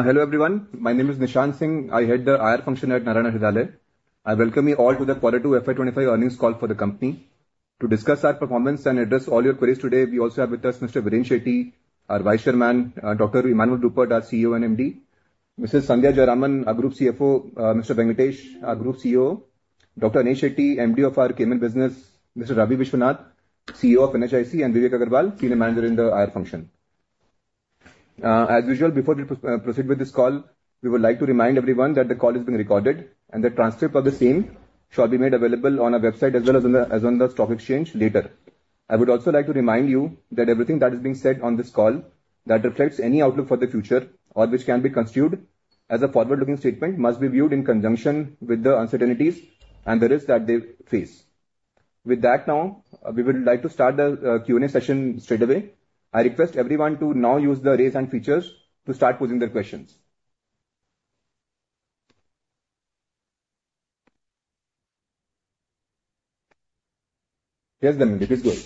Hello everyone, my name is Nishant Singh. I head the IR function at Narayana Hrudayalaya. I welcome you all to the Q2 FY25 earnings call for the company. To discuss our performance and address all your queries today, we also have with us Mr. Viren Shetty, our Vice Chairman, Dr. Emmanuel Rupert, our CEO and MD, Mrs. Sandhya Jayaraman, our Group CFO, Mr. Venkatesh, our Group COO, Dr. Anesh Shetty, MD of our Cayman Business, Mr. Ravi Vishwanath, CEO of NHIC, and Vivek Aggarwal, Senior Manager in the IR function. As usual, before we proceed with this call, we would like to remind everyone that the call is being recorded and the transcript of the same shall be made available on our website as well as on the stock exchange later. I would also like to remind you that everything that is being said on this call that reflects any outlook for the future or which can be construed as a forward-looking statement must be viewed in conjunction with the uncertainties and the risks that they face. With that, now we would like to start the Q&A session straightaway. I request everyone to now use the raise hand feature to start posing their questions. Yes, it is good.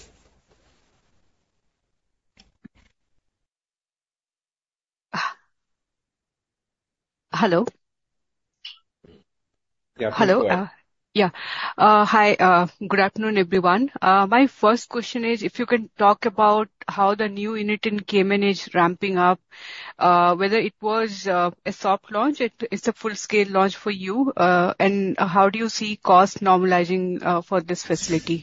Hello. Yeah, good. Hello. Yeah. Hi. Good afternoon, everyone. My first question is, if you can talk about how the new unit in Cayman is ramping up, whether it was a soft launch, it's a full-scale launch for you, and how do you see costs normalizing for this facility?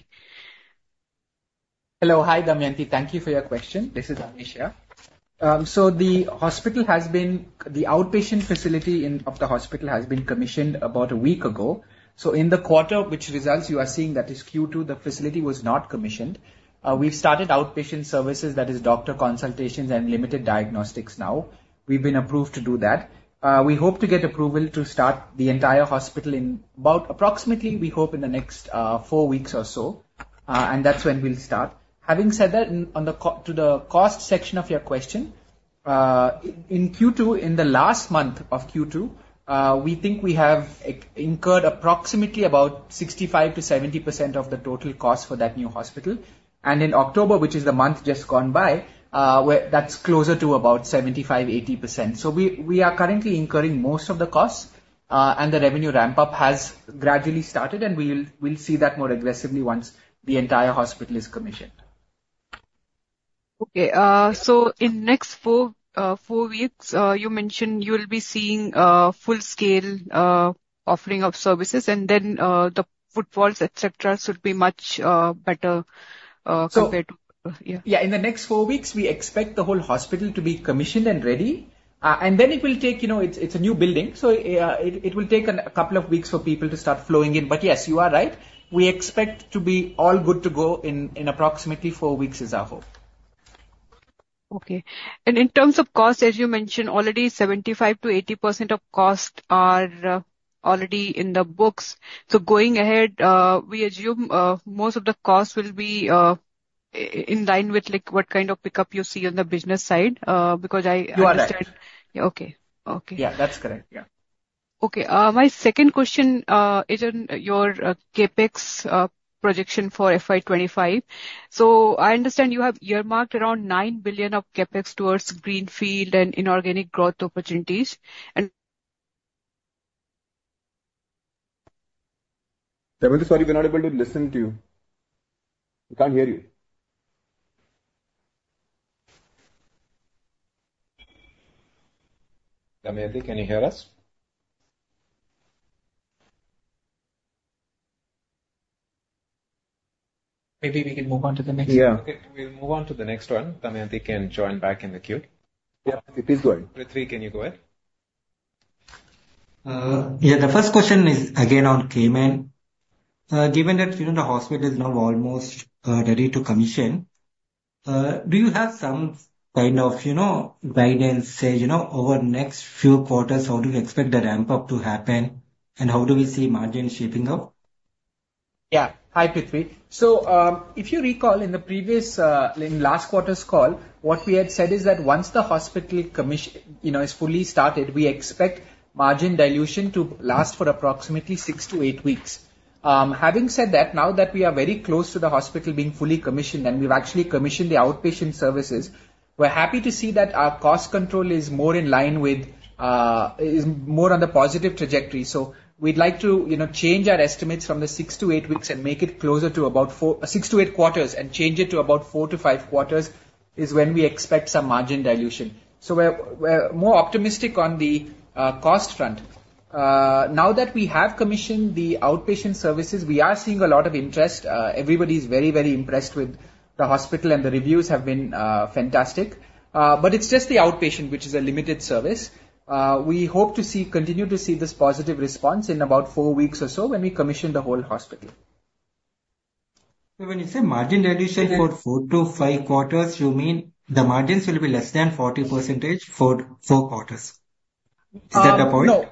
Hello. Hi, Damayanti. Thank you for your question. This is Anesh here. So the outpatient facility of the hospital has been commissioned about a week ago. So in the quarter, which results you are seeing, that is Q2, the facility was not commissioned. We've started outpatient services, that is, doctor consultations and limited diagnostics now. We've been approved to do that. We hope to get approval to start the entire hospital in about approximately, we hope, in the next four weeks or so. And that's when we'll start. Having said that, on the cost section of your question, in Q2, in the last month of Q2, we think we have incurred approximately about 65%-70% of the total cost for that new hospital. And in October, which is the month just gone by, that's closer to about 75%-80%. So we are currently incurring most of the costs, and the revenue ramp-up has gradually started, and we'll see that more aggressively once the entire hospital is commissioned. Okay. So in the next four weeks, you mentioned you'll be seeing full-scale offering of services, and then the footfalls, etc., should be much better compared to. Yeah. Yeah. In the next four weeks, we expect the whole hospital to be commissioned and ready. And then it will take, you know, it's a new building, so it will take a couple of weeks for people to start flowing in. But yes, you are right. We expect to be all good to go in approximately four weeks, is our hope. Okay. And in terms of cost, as you mentioned, already 75%-80% of cost are already in the books. So going ahead, we assume most of the cost will be in line with what kind of pickup you see on the business side because I understand. You are right. Okay. Okay. Yeah, that's correct. Yeah. Okay. My second question is on your CapEx projection for FY25. So I understand you have earmarked around 9 billion of CapEx towards greenfield and inorganic growth opportunities. And. Damayanti, sorry, we're not able to listen to you. We can't hear you. Damayanti, can you hear us? Maybe we can move on to the next. Yeah. We'll move on to the next one. Damayanti, can join back in the queue. Yeah, it is going. Prithvi, can you go ahead? Yeah. The first question is again on Cayman. Given that the hospital is now almost ready to commission, do you have some kind of guidance over the next few quarters? How do you expect the ramp-up to happen? And how do we see margin shaping up? Yeah. Hi, Prithvi. So if you recall in the previous, in last quarter's call, what we had said is that once the hospital is fully started, we expect margin dilution to last for approximately six-to-eight weeks. Having said that, now that we are very close to the hospital being fully commissioned and we've actually commissioned the outpatient services, we're happy to see that our cost control is more in line with, is more on the positive trajectory. So we'd like to change our estimates from the six-to-eight weeks and make it closer to about six-to-eight quarters and change it to about four-to-five quarters is when we expect some margin dilution. So we're more optimistic on the cost front. Now that we have commissioned the outpatient services, we are seeing a lot of interest. Everybody's very, very impressed with the hospital, and the reviews have been fantastic. But it's just the outpatient, which is a limited service. We hope to continue to see this positive response in about four weeks or so when we commission the whole hospital. So when you say margin dilution for four-to-five quarters, you mean the margins will be less than 40% for four quarters? Is that the point? No,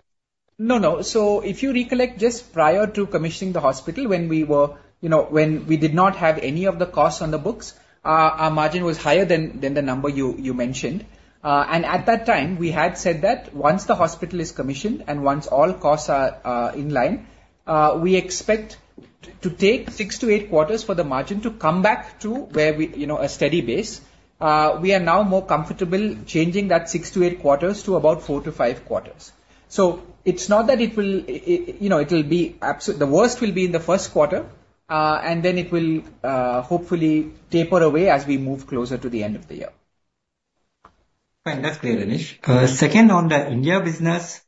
no, no, so if you recollect just prior to commissioning the hospital, when we did not have any of the costs on the books, our margin was higher than the number you mentioned, and at that time, we had said that once the hospital is commissioned and once all costs are in line, we expect to take six to eight quarters for the margin to come back to a steady base. We are now more comfortable changing that six to eight quarters to about four to five quarters, so it's not that it will, it'll be absolute. The worst will be in the first quarter, and then it will hopefully taper away as we move closer to the end of the year. Fantastic, Anesh. Second, on the India business,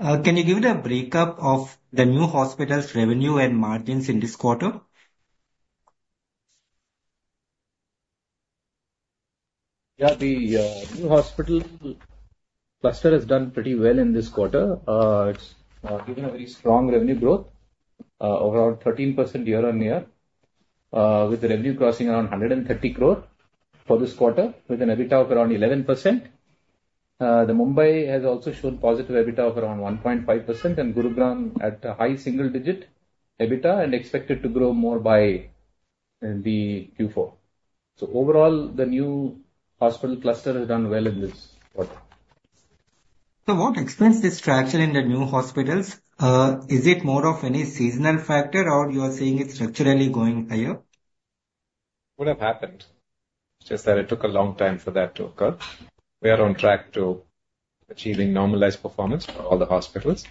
can you give the breakdown of the new hospital's revenue and margins in this quarter? Yeah. The new hospital cluster has done pretty well in this quarter. It's given a very strong revenue growth, around 13% year on year, with revenue crossing around 130 crore for this quarter, with an EBITDA of around 11%. The Mumbai has also shown positive EBITDA of around 1.5%, and Gurugram at a high single-digit EBITDA and expected to grow more by the Q4. So overall, the new hospital cluster has done well in this quarter. What explains this structure in the new hospitals? Is it more of any seasonal factor, or you are saying it's structurally going higher? It would have happened. It's just that it took a long time for that to occur. We are on track to achieving normalized performance for all the hospitals.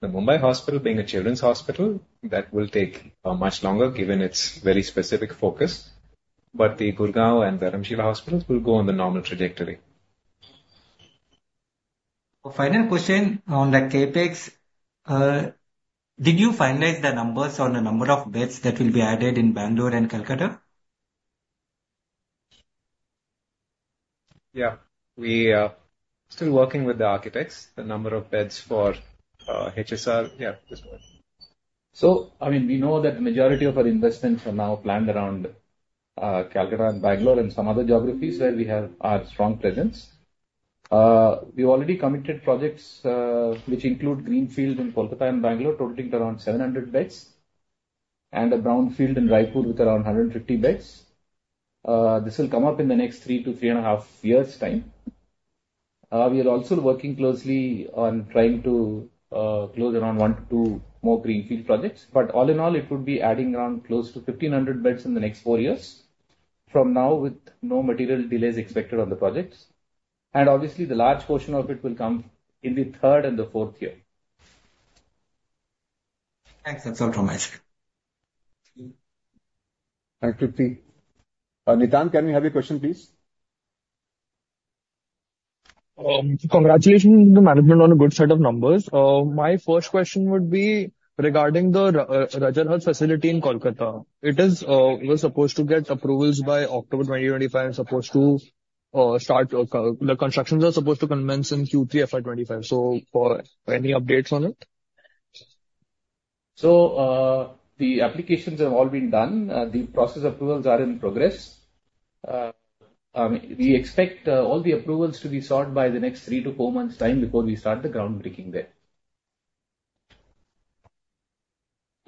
The Mumbai hospital, being a children's hospital, that will take much longer given its very specific focus. But the Gurugram and Dharamshila hospitals will go on the normal trajectory. Final question on the CapEx. Did you finalize the numbers on the number of beds that will be added in Bangalore and Kolkata? Yeah. We are still working with the architects, the number of beds for HSR. Yeah, this one. So, I mean, we know that the majority of our investments are now planned around Kolkata and Bangalore and some other geographies where we have our strong presence. We have already committed projects which include greenfield in Kolkata and Bangalore, totaling around 700 beds, and a brownfield in Raipur with around 150 beds. This will come up in the next three to three and a half years' time. We are also working closely on trying to close around one to two more greenfield projects. But all in all, it would be adding around close to 1,500 beds in the next four years from now, with no material delays expected on the projects. And obviously, the large portion of it will come in the third and the fourth year. Thanks. That's all from my side. Thank you, Prithvi. Nishant, can you have your question, please? Congratulations on the management on a good set of numbers. My first question would be regarding the Rajarhat facility in Kolkata. It was supposed to get approvals by October 2025 and supposed to start. The constructions are supposed to commence in Q3 FY25. So any updates on it? So the applications have all been done. The process approvals are in progress. We expect all the approvals to be sought by the next three-to-four months' time before we start the groundbreaking there.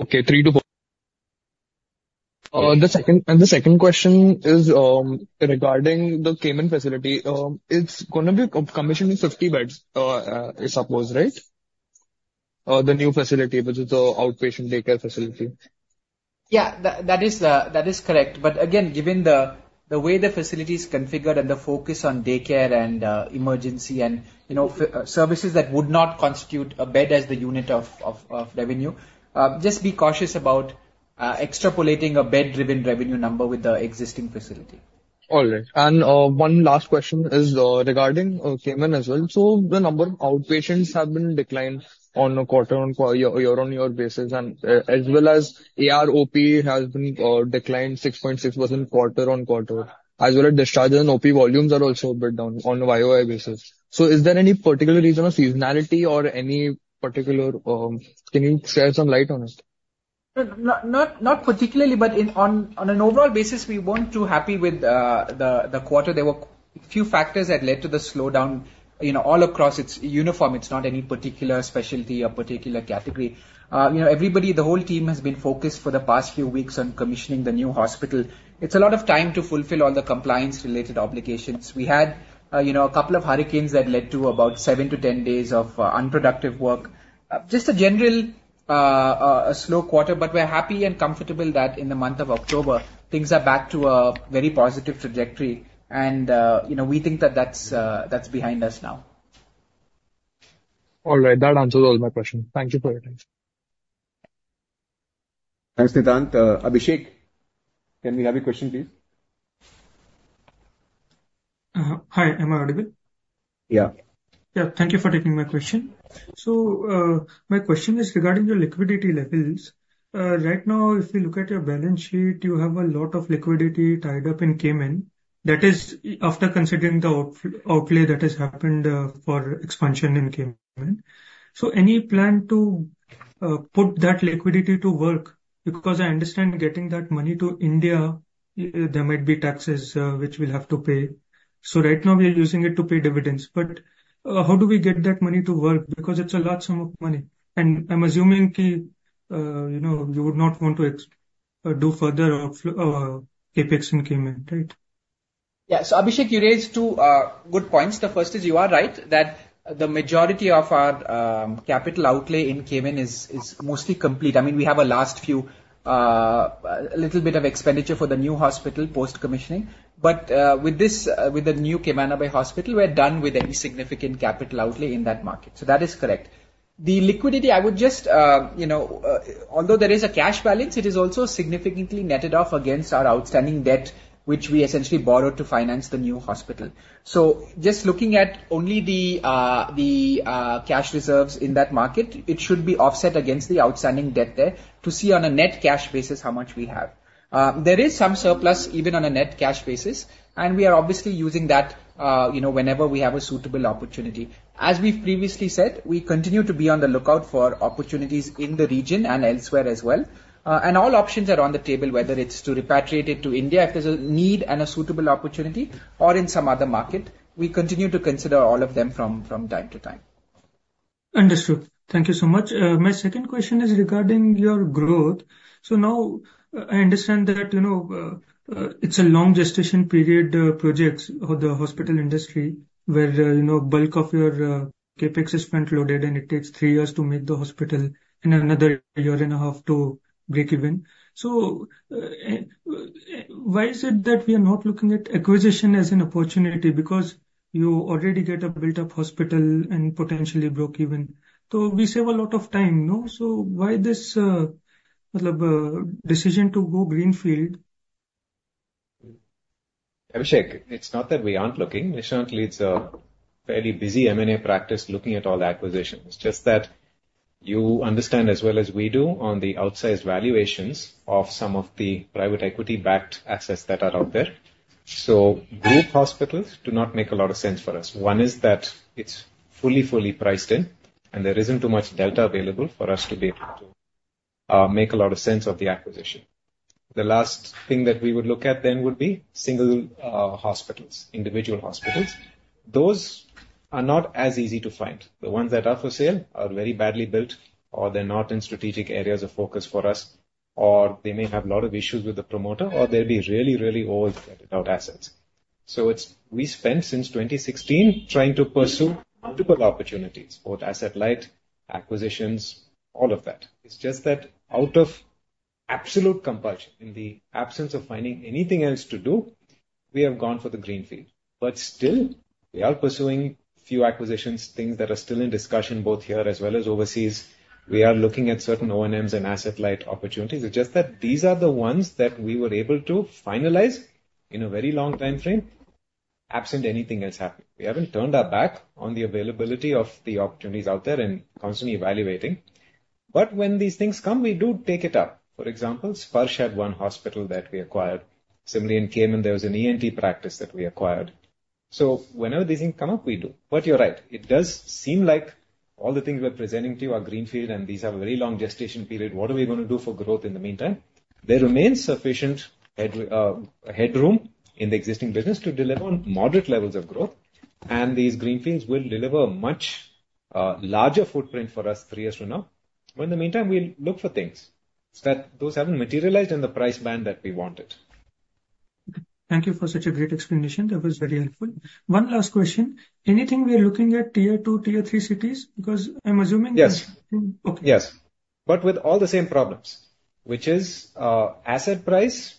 Okay. Three to four, and the second question is regarding the Cayman facility. It's going to be commissioning 50 beds, I suppose, right? The new facility, which is the outpatient daycare facility. Yeah, that is correct. But again, given the way the facility is configured and the focus on daycare and emergency and services that would not constitute a bed as the unit of revenue, just be cautious about extrapolating a bed-driven revenue number with the existing facility. All right. And one last question is regarding Cayman as well. So the number of outpatients have been declined on a year-on-year basis, and as well as ARPP has been declined 6.6% quarter-on-quarter, as well as discharges and OP volumes are also a bit down on a YoY basis. So is there any particular reason of seasonality or any particular? Can you shed some light on it? Not particularly, but on an overall basis, we weren't too happy with the quarter. There were a few factors that led to the slowdown all across. It's uniform. It's not any particular specialty or particular category. Everybody, the whole team has been focused for the past few weeks on commissioning the new hospital. It's a lot of time to fulfill all the compliance-related obligations. We had a couple of hurricanes that led to about 7-10 days of unproductive work. Just a general, slow quarter, but we're happy and comfortable that in the month of October, things are back to a very positive trajectory, and we think that that's behind us now. All right. That answers all my questions. Thank you for your time. Thanks, Nishant. Abhishek, can we have your question, please? Hi. Am I audible? Yeah. Yeah. Thank you for taking my question. So my question is regarding your liquidity levels. Right now, if you look at your balance sheet, you have a lot of liquidity tied up in Cayman. That is after considering the outlay that has happened for expansion in Cayman. So any plan to put that liquidity to work? Because I understand getting that money to India, there might be taxes which we'll have to pay. So right now, we're using it to pay dividends. But how do we get that money to work? Because it's a large sum of money. And I'm assuming you would not want to do further CapEx in Cayman, right? Yeah. So Abhishek, you raised two good points. The first is you are right that the majority of our capital outlay in Cayman is mostly complete. I mean, we have a last few, a little bit of expenditure for the new hospital post-commissioning. But with the new Camana Bay Hospital, we're done with any significant capital outlay in that market. So that is correct. The liquidity, I would just, although there is a cash balance, it is also significantly netted off against our outstanding debt, which we essentially borrowed to finance the new hospital. So just looking at only the cash reserves in that market, it should be offset against the outstanding debt there to see on a net cash basis how much we have. There is some surplus even on a net cash basis, and we are obviously using that whenever we have a suitable opportunity. As we've previously said, we continue to be on the lookout for opportunities in the region and elsewhere as well, and all options are on the table, whether it's to repatriate it to India if there's a need and a suitable opportunity, or in some other market. We continue to consider all of them from time to time. Understood. Thank you so much. My second question is regarding your growth. So now I understand that it's a long gestation period project for the hospital industry where bulk of your CapEx is front-loaded, and it takes three years to make the hospital and another year and a half to break even. So why is it that we are not looking at acquisition as an opportunity? Because you already get a built-up hospital and potentially broke even. So we save a lot of time. So why this decision to go greenfield? Abhishek, it's not that we aren't looking. Certainly, it's a fairly busy M&A practice looking at all acquisitions. It's just that you understand as well as we do on the outsized valuations of some of the private equity-backed assets that are out there. So group hospitals do not make a lot of sense for us. One is that it's fully, fully priced in, and there isn't too much delta available for us to be able to make a lot of sense of the acquisition. The last thing that we would look at then would be single hospitals, individual hospitals. Those are not as easy to find. The ones that are for sale are very badly built, or they're not in strategic areas of focus for us, or they may have a lot of issues with the promoter, or they'll be really, really old, netted-out assets. We spent since 2016 trying to pursue multiple opportunities, both asset light, acquisitions, all of that. It's just that out of absolute compulsion, in the absence of finding anything else to do, we have gone for the greenfield. But still, we are pursuing few acquisitions, things that are still in discussion both here as well as overseas. We are looking at certain O&Ms and asset light opportunities. It's just that these are the ones that we were able to finalize in a very long time frame, absent anything else happening. We haven't turned our back on the availability of the opportunities out there and constantly evaluating. But when these things come, we do take it up. For example, Sparsh Hospital that we acquired. Similarly, in Cayman, there was an ENT practice that we acquired. So whenever these things come up, we do. But you're right. It does seem like all the things we're presenting to you are greenfield, and these have a very long gestation period. What are we going to do for growth in the meantime? There remains sufficient headroom in the existing business to deliver on moderate levels of growth. These greenfields will deliver a much larger footprint for us three years from now. In the meantime, we'll look for things that those haven't materialized in the price band that we wanted. Okay. Thank you for such a great explanation. That was very helpful. One last question. Anything we're looking at tier two, tier three cities? Because I'm assuming that. Yes. Yes. But with all the same problems, which is asset price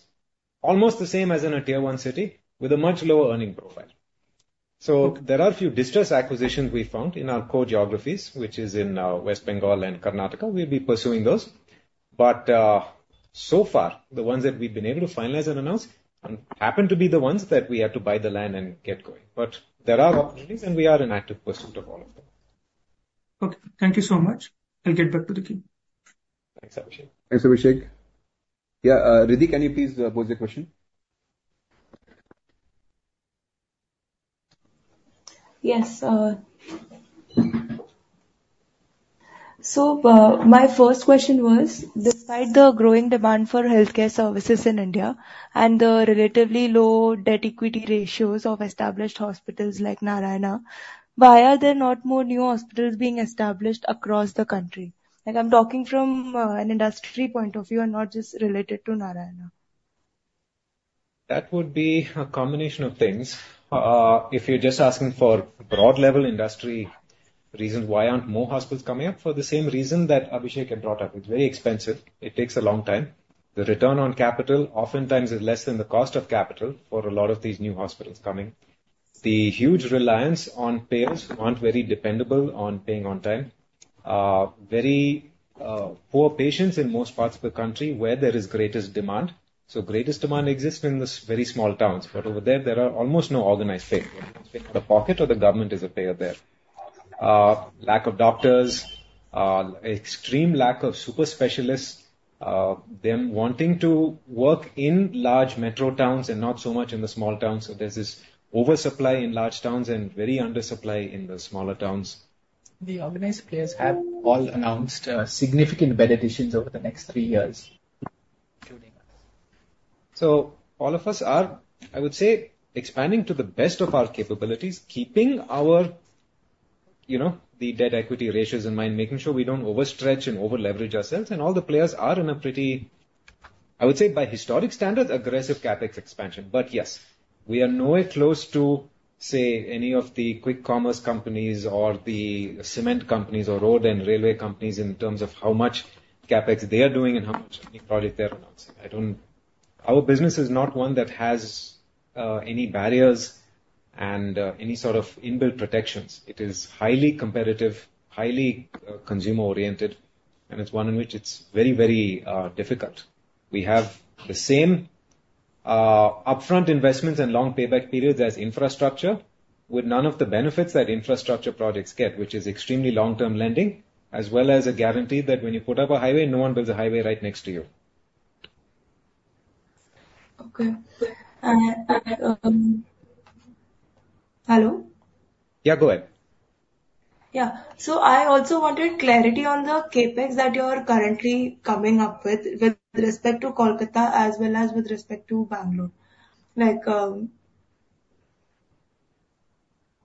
almost the same as in a tier one city with a much lower earning profile. So there are a few distressed acquisitions we found in our core geographies, which is in West Bengal and Karnataka. We'll be pursuing those. But so far, the ones that we've been able to finalize and announce happen to be the ones that we have to buy the land and get going. But there are opportunities, and we are in active pursuit of all of them. Okay. Thank you so much. I'll get back to the Q. Thanks, Abhishek. Thanks, Abhishek. Yeah. Riddhi, can you please pose your question? Yes. So my first question was, despite the growing demand for healthcare services in India and the relatively low debt equity ratios of established hospitals like Narayana, why are there not more new hospitals being established across the country? I'm talking from an industry point of view and not just related to Narayana. That would be a combination of things. If you're just asking for broad-level industry reasons, why aren't more hospitals coming up? For the same reason that Abhishek had brought up. It's very expensive. It takes a long time. The return on capital oftentimes is less than the cost of capital for a lot of these new hospitals coming. The huge reliance on payers who aren't very dependable on paying on time. Very poor patients in most parts of the country where there is greatest demand. So greatest demand exists in the very small towns. But over there, there are almost no organized payers. The pocket or the government is a payer there. Lack of doctors, extreme lack of super specialists, them wanting to work in large metro towns and not so much in the small towns. So there's this oversupply in large towns and very undersupply in the smaller towns. The organized players have all announced significant CapEx over the next three years, including us. All of us are, I would say, expanding to the best of our capabilities, keeping the debt equity ratios in mind, making sure we don't overstretch and over-leverage ourselves. All the players are in a pretty, I would say, by historic standards, aggressive CapEx expansion. But yes, we are nowhere close to, say, any of the quick commerce companies or the cement companies or road and railway companies in terms of how much CapEx they are doing and how much new projects they're announcing. Our business is not one that has any barriers and any sort of inbuilt protections. It is highly competitive, highly consumer-oriented, and it's one in which it's very, very difficult. We have the same upfront investments and long payback periods as infrastructure, with none of the benefits that infrastructure projects get, which is extremely long-term lending, as well as a guarantee that when you put up a highway, no one builds a highway right next to you. Okay. Hello? Yeah, go ahead. Yeah. So I also wanted clarity on the CapEx that you're currently coming up with with respect to Kolkata as well as with respect to Bangalore.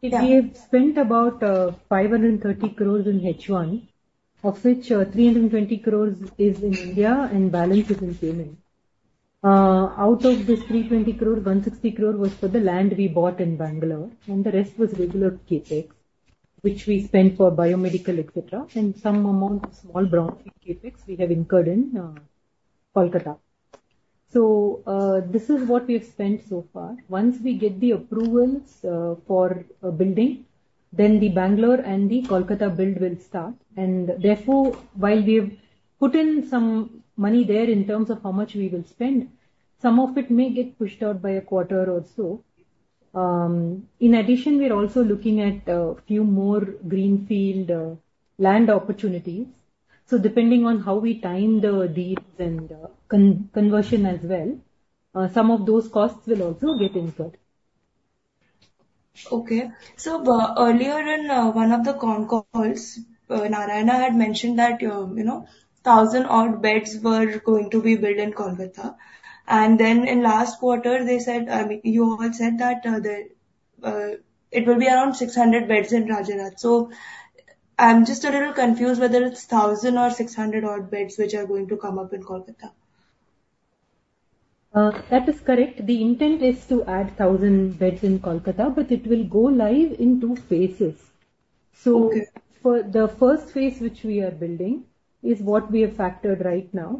We have spent about 530 crores in H1, of which 320 crores is in India and balance is in Cayman. Out of this 320 crores, 160 crores was for the land we bought in Bangalore, and the rest was regular CapEx, which we spent for biomedical, etc., and some amount of small brownfield CapEx we have incurred in Kolkata. So this is what we have spent so far. Once we get the approvals for building, then the Bangalore and the Kolkata build will start. And therefore, while we have put in some money there in terms of how much we will spend, some of it may get pushed out by a quarter or so. In addition, we're also looking at a few more greenfield land opportunities. So depending on how we time the deals and conversion as well, some of those costs will also get incurred. Okay. So earlier in one of the con calls, Narayana had mentioned that 1,000-odd beds were going to be built in Kolkata. And then in last quarter, you all said that it will be around 600 beds in Rajarhat. So I'm just a little confused whether it's 1,000 or 600-odd beds which are going to come up in Kolkata. That is correct. The intent is to add 1,000 beds in Kolkata, but it will go live in two phases. So the first phase, which we are building, is what we have factored right now.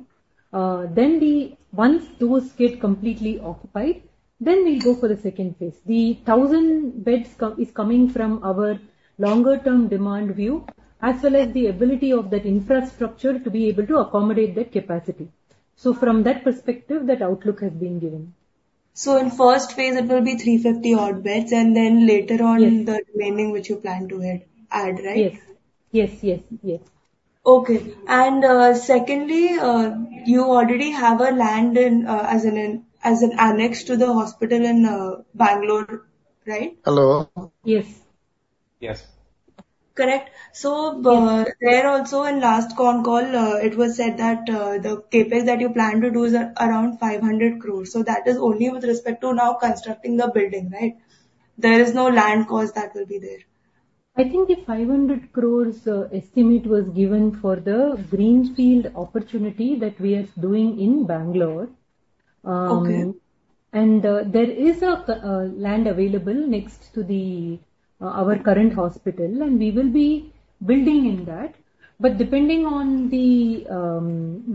Then once those get completely occupied, then we'll go for the second phase. The 1,000 beds is coming from our longer-term demand view, as well as the ability of that infrastructure to be able to accommodate that capacity. So from that perspective, that outlook has been given. So in first phase, it will be 350-odd beds, and then later on, the remaining which you plan to add, right? Yes. Yes. Yes. Yes. Okay. And secondly, you already have a land as an annex to the hospital in Bangalore, right? Hello? Yes. Yes. Correct. So there also, in last con call, it was said that the CapEx that you plan to do is around 500 crores. So that is only with respect to now constructing the building, right? There is no land cost that will be there. I think the 500 crore estimate was given for the greenfield opportunity that we are doing in Bangalore. And there is land available next to our current hospital, and we will be building in that. But depending on the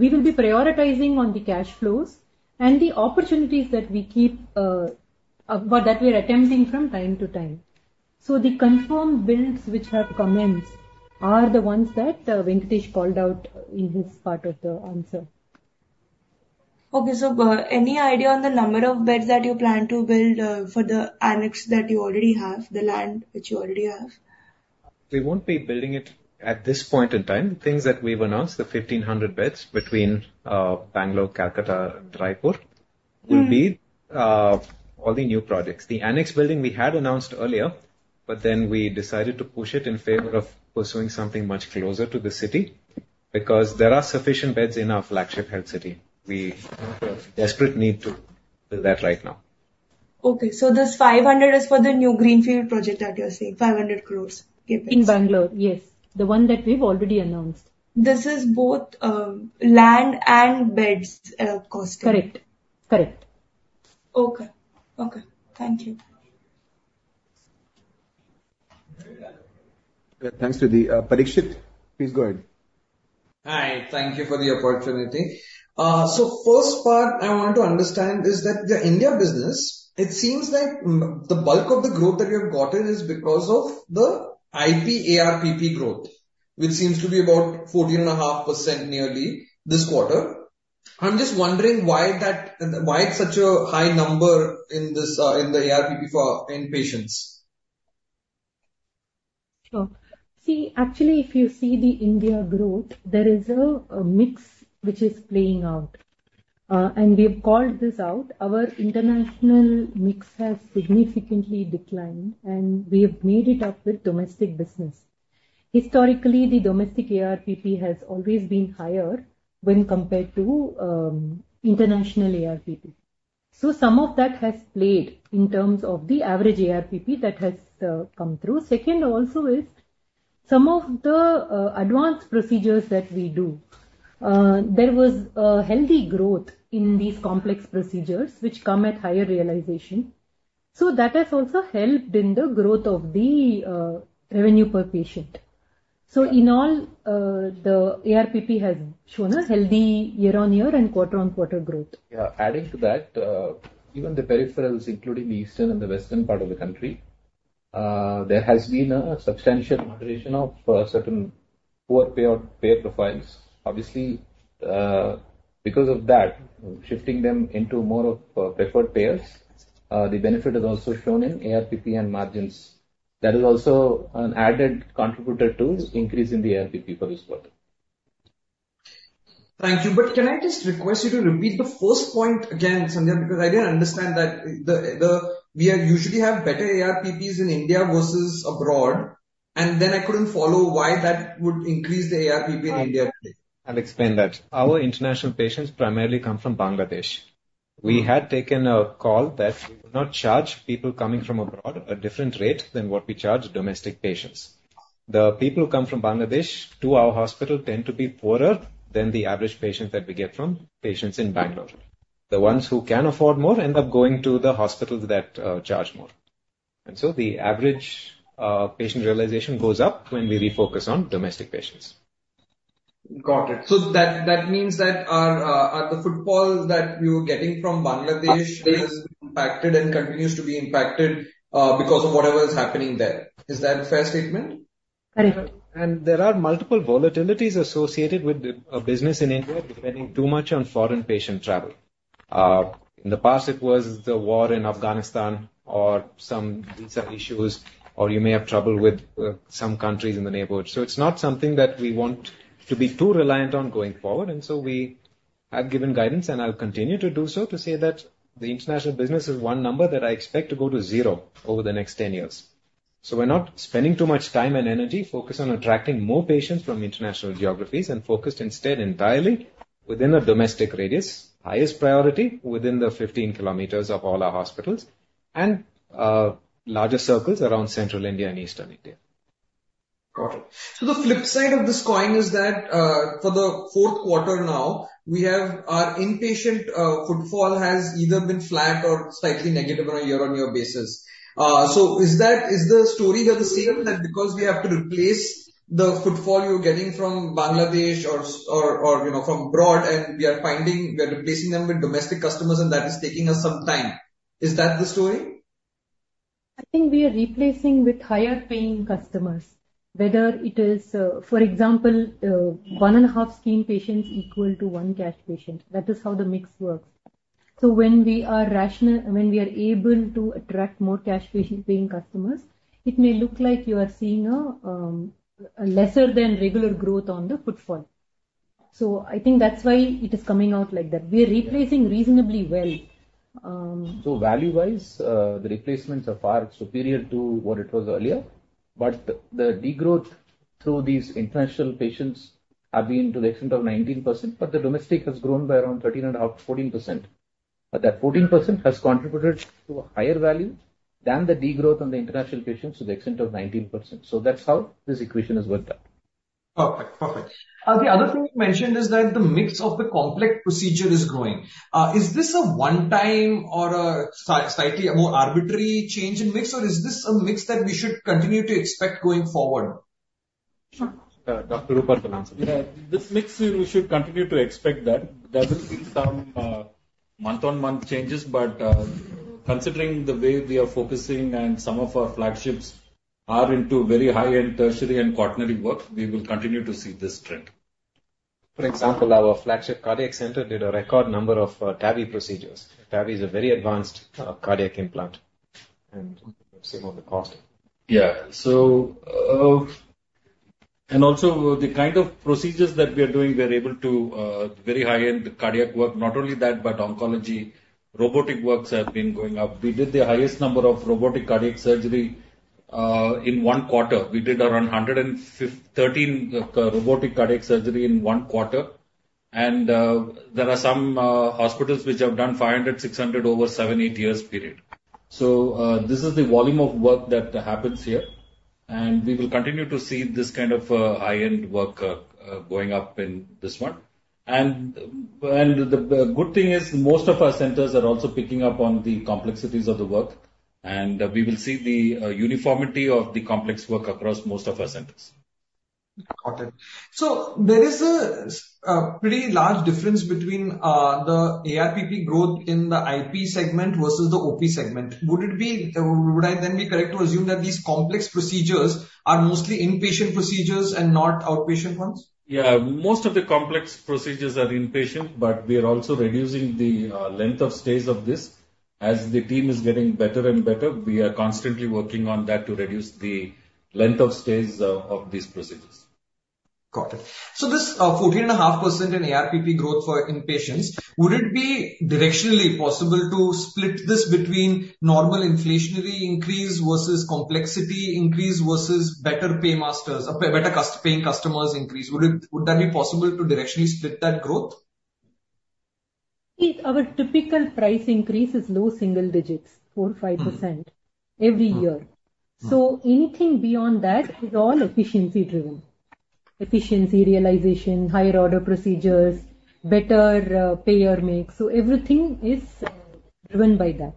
we will be prioritizing on the cash flows and the opportunities that we keep or that we are attempting from time to time. So the confirmed builds which have commenced are the ones that Venkatesh called out in his part of the answer. Okay. So any idea on the number of beds that you plan to build for the annex that you already have, the land which you already have? We won't be building it at this point in time. The things that we've announced, the 1,500 beds between Bangalore, Kolkata, and Raipur, will be all the new projects. The annex building we had announced earlier, but then we decided to push it in favor of pursuing something much closer to the city because there are sufficient beds in our flagship head city. We have a desperate need to build that right now. Okay. So this 500 is for the new greenfield project that you're saying, 500 crores? In Bangalore, yes. The one that we've already announced. This is both land and beds costing? Correct. Correct. Okay. Okay. Thank you. Thanks, Riddhi. Parikshit, please go ahead. Hi. Thank you for the opportunity. So first part I wanted to understand is that the India business, it seems like the bulk of the growth that you have gotten is because of the IP ARPP growth, which seems to be about 14.5% nearly this quarter. I'm just wondering why it's such a high number in the ARPP for inpatients. Sure. See, actually, if you see the India growth, there is a mix which is playing out. And we have called this out. Our international mix has significantly declined, and we have made it up with domestic business. Historically, the domestic ARPP has always been higher when compared to international ARPP. So some of that has played in terms of the average ARPP that has come through. Second also is some of the advanced procedures that we do. There was healthy growth in these complex procedures, which come at higher realization. So that has also helped in the growth of the revenue per patient. So in all, the ARPP has shown a healthy year-on-year and quarter-on-quarter growth. Yeah. Adding to that, even the peripherals, including the eastern and the western part of the country, there has been a substantial moderation of certain poor payer profiles. Obviously, because of that, shifting them into more of preferred payers, the benefit has also shown in ARPP and margins. That is also an added contributor to increasing the ARPP for this quarter. Thank you, but can I just request you to repeat the first point again, Sandhya, because I didn't understand that we usually have better ARPPs in India versus abroad, and then I couldn't follow why that would increase the ARPP in India today? I'll explain that. Our international patients primarily come from Bangladesh. We had taken a call that we will not charge people coming from abroad a different rate than what we charge domestic patients. The people who come from Bangladesh to our hospital tend to be poorer than the average patients that we get in Bangalore. The ones who can afford more end up going to the hospitals that charge more, and so the average patient realization goes up when we refocus on domestic patients. Got it. So that means that the footfall that we were getting from Bangladesh has been impacted and continues to be impacted because of whatever is happening there. Is that a fair statement? Correct. And there are multiple volatilities associated with a business in India depending too much on foreign patient travel. In the past, it was the war in Afghanistan or some visa issues, or you may have trouble with some countries in the neighborhood. So it's not something that we want to be too reliant on going forward. And so we have given guidance, and I'll continue to do so, to say that the international business is one number that I expect to go to zero over the next 10 years. So we're not spending too much time and energy focused on attracting more patients from international geographies and focused instead entirely within a domestic radius, highest priority within the 15 km of all our hospitals and larger circles around central India and eastern India. Got it. So the flip side of this coin is that for the fourth quarter now, our inpatient footfall has either been flat or slightly negative on a year-on-year basis. So is the story here the same that because we have to replace the footfall you're getting from Bangladesh or from abroad, and we are finding we are replacing them with domestic customers, and that is taking us some time? Is that the story? I think we are replacing with higher-paying customers, whether it is, for example, one-and-a-half scheme patients equal to one cash patient. That is how the mix works. So when we are able to attract more cash paying customers, it may look like you are seeing a lesser than regular growth on the footfall. So I think that's why it is coming out like that. We are replacing reasonably well. Value-wise, the replacements are far superior to what it was earlier. The degrowth through these international patients have been to the extent of 19%, but the domestic has grown by around 13.5%-14%. That 14% has contributed to a higher value than the degrowth on the international patients to the extent of 19%. That's how this equation has worked out. Perfect. Perfect. The other thing you mentioned is that the mix of the complex procedure is growing. Is this a one-time or a slightly more arbitrary change in mix, or is this a mix that we should continue to expect going forward? Dr. Rupert will answer. Yeah. This mix we should continue to expect that. There will be some month-on-month changes, but considering the way we are focusing and some of our flagships are into very high-end tertiary and quaternary work, we will continue to see this trend. For example, our flagship cardiac center did a record number of TAVI procedures. TAVI is a very advanced cardiac implant, and we have saved on the cost. Yeah. And also, the kind of procedures that we are doing, we are able to very high-end cardiac work, not only that, but oncology, robotic works have been going up. We did the highest number of robotic cardiac surgery in one quarter. We did around 113 robotic cardiac surgery in one quarter. And there are some hospitals which have done 500, 600 over seven, eight years period. So this is the volume of work that happens here. We will continue to see this kind of high-end work going up in this one. And the good thing is most of our centers are also picking up on the complexities of the work. We will see the uniformity of the complex work across most of our centers. Got it. So there is a pretty large difference between the ARPP growth in the IP segment versus the OP segment. Would I then be correct to assume that these complex procedures are mostly inpatient procedures and not outpatient ones? Yeah. Most of the complex procedures are inpatient, but we are also reducing the length of stays of this. As the team is getting better and better, we are constantly working on that to reduce the length of stays of these procedures. Got it, so this 14.5% in ARPP growth for inpatients, would it be directionally possible to split this between normal inflationary increase versus complexity increase versus better paying customers increase? Would that be possible to directionally split that growth? See, our typical price increase is low single digits, 4%, 5% every year. So anything beyond that is all efficiency-driven. Efficiency realization, higher-order procedures, better payer mix. So everything is driven by that.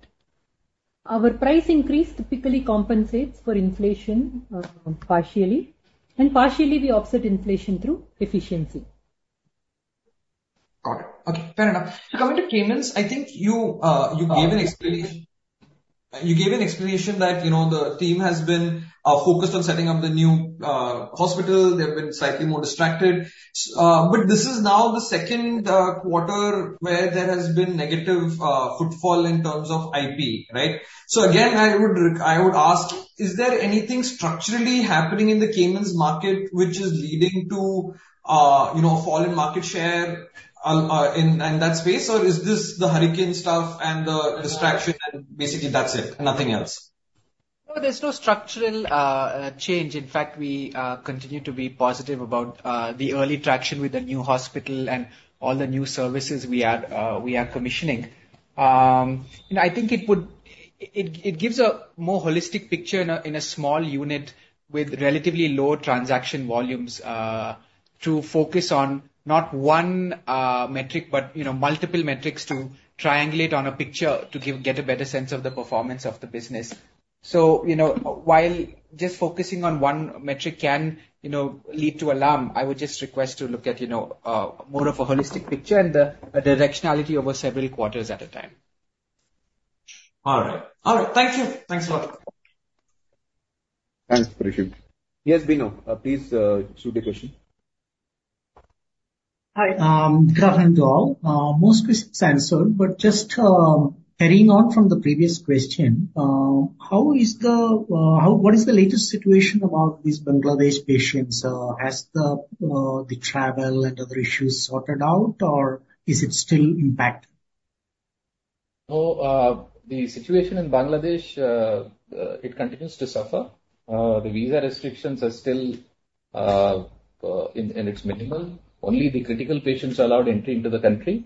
Our price increase typically compensates for inflation partially. And partially, we offset inflation through efficiency. Got it. Okay. Fair enough. So coming to Caymans, I think you gave an explanation. You gave an explanation that the team has been focused on setting up the new hospital. They've been slightly more distracted. But this is now the second quarter where there has been negative footfall in terms of IP, right? So again, I would ask, is there anything structurally happening in the Caymans market which is leading to a fall in market share in that space? Or is this the hurricane stuff and the distraction, and basically that's it, nothing else? No, there's no structural change. In fact, we continue to be positive about the early traction with the new hospital and all the new services we are commissioning. I think it gives a more holistic picture in a small unit with relatively low transaction volumes to focus on not one metric, but multiple metrics to triangulate on a picture to get a better sense of the performance of the business. So while just focusing on one metric can lead to alarm, I would just request to look at more of a holistic picture and the directionality over several quarters at a time. All right. All right. Thank you. Thanks a lot. Thanks, Parikshit. Yes, Bino. Please shoot the question. Hi. Good afternoon to all. Most questions answered, but just carrying on from the previous question, what is the latest situation about these Bangladesh patients? Has the travel and other issues sorted out, or is it still impacted? The situation in Bangladesh continues to suffer. The visa restrictions are still at its minimum. Only the critical patients are allowed entry into the country.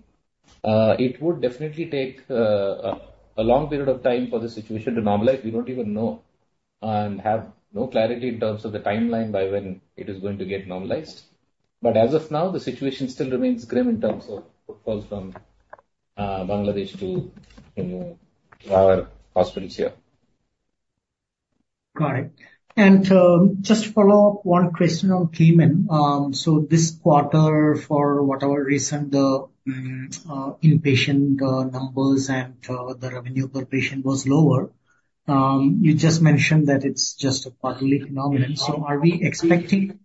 It would definitely take a long period of time for the situation to normalize. We don't even know and have no clarity in terms of the timeline by when it is going to get normalized. As of now, the situation still remains grim in terms of footfalls from Bangladesh to our hospitals here. Got it. And just to follow up one question on payment. So this quarter, for whatever reason, the inpatient numbers and the revenue per patient was lower. You just mentioned that it's just a quarterly phenomenon. So are we expecting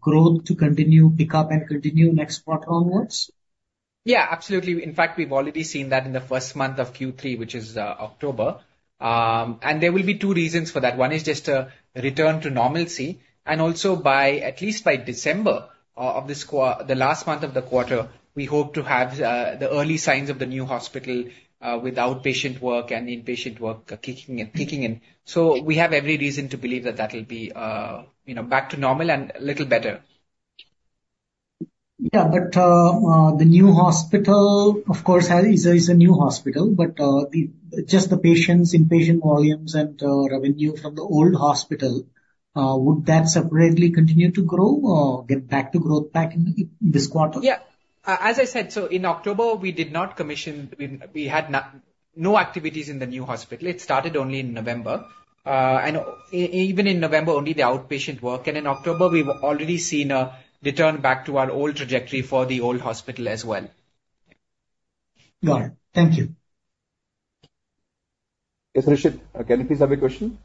growth to continue pick up and continue next quarter onwards? Yeah, absolutely. In fact, we've already seen that in the first month of Q3, which is October. And there will be two reasons for that. One is just a return to normalcy. And also, at least by December of the last month of the quarter, we hope to have the early signs of the new hospital with outpatient work and inpatient work kicking in. So we have every reason to believe that that will be back to normal and a little better. Yeah, but the new hospital, of course, is a new hospital, but just the patients, inpatient volumes, and revenue from the old hospital, would that separately continue to grow or get back to growth this quarter? Yeah. As I said, so in October, we did not commission. We had no activities in the new hospital. It started only in November. And even in November, only the outpatient work. And in October, we've already seen a return back to our old trajectory for the old hospital as well. Got it. Thank you. Yes, Rishit. Can you please have a question?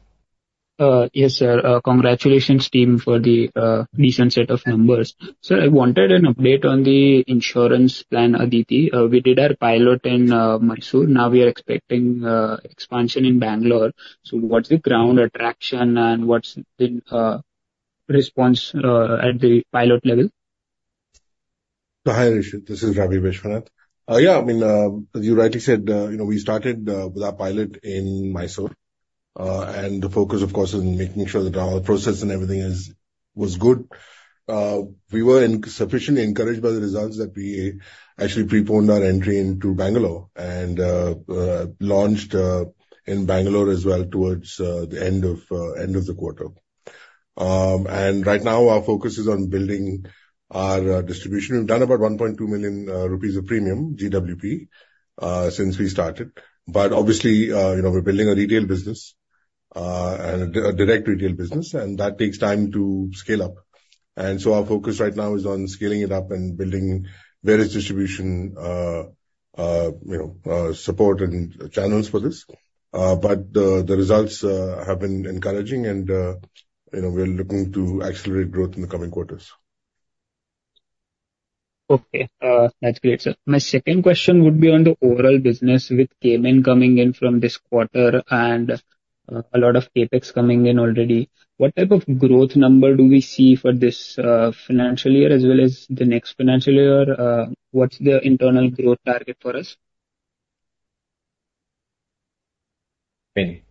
Yes, sir. Congratulations, team, for the decent set of numbers. Sir, I wanted an update on the insurance plan, Aditi. We did our pilot in Mysuru. Now we are expecting expansion in Bangalore. So what's the ground attraction, and what's the response at the pilot level? Hi, Rishit. This is Ravi Vishwanath. Yeah, I mean, as you rightly said, we started with our pilot in Mysuru. And the focus, of course, is making sure that our process and everything was good. We were sufficiently encouraged by the results that we actually preponed our entry into Bangalore and launched in Bangalore as well towards the end of the quarter. And right now, our focus is on building our distribution. We've done about 1.2 million rupees of premium, GWP, since we started. But obviously, we're building a retail business and a direct retail business, and that takes time to scale up. And so our focus right now is on scaling it up and building various distribution support and channels for this. But the results have been encouraging, and we're looking to accelerate growth in the coming quarters. Okay. That's great, sir. My second question would be on the overall business with payment coming in from this quarter and a lot of CapEx coming in already. What type of growth number do we see for this financial year as well as the next financial year? What's the internal growth target for us? I mean,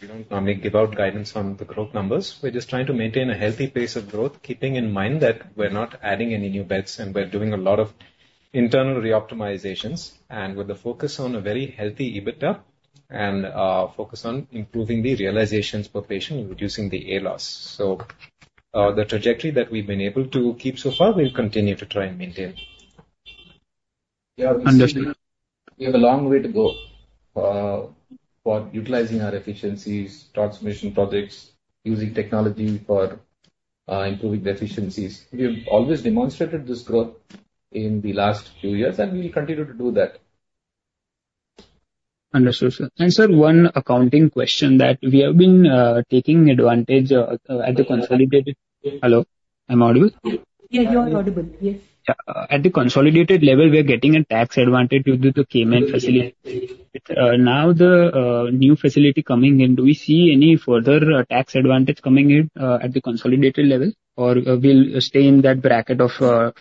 we don't normally give out guidance on the growth numbers. We're just trying to maintain a healthy pace of growth, keeping in mind that we're not adding any new beds, and we're doing a lot of internal reoptimizations with a focus on a very healthy EBITDA and focus on improving the realizations per patient and reducing the ALOS. So the trajectory that we've been able to keep so far, we'll continue to try and maintain. Yeah. We see we have a long way to go for utilizing our efficiencies, transmission projects, using technology for improving the efficiencies. We have always demonstrated this growth in the last few years, and we'll continue to do that. Understood, sir. And, sir, one accounting question that we have been taking advantage at the consolidated. Hello. Am I audible? Yeah, you are audible. Yes. At the consolidated level, we are getting a tax advantage due to the payment facility. Now, the new facility coming in, do we see any further tax advantage coming in at the consolidated level, or will we stay in that bracket of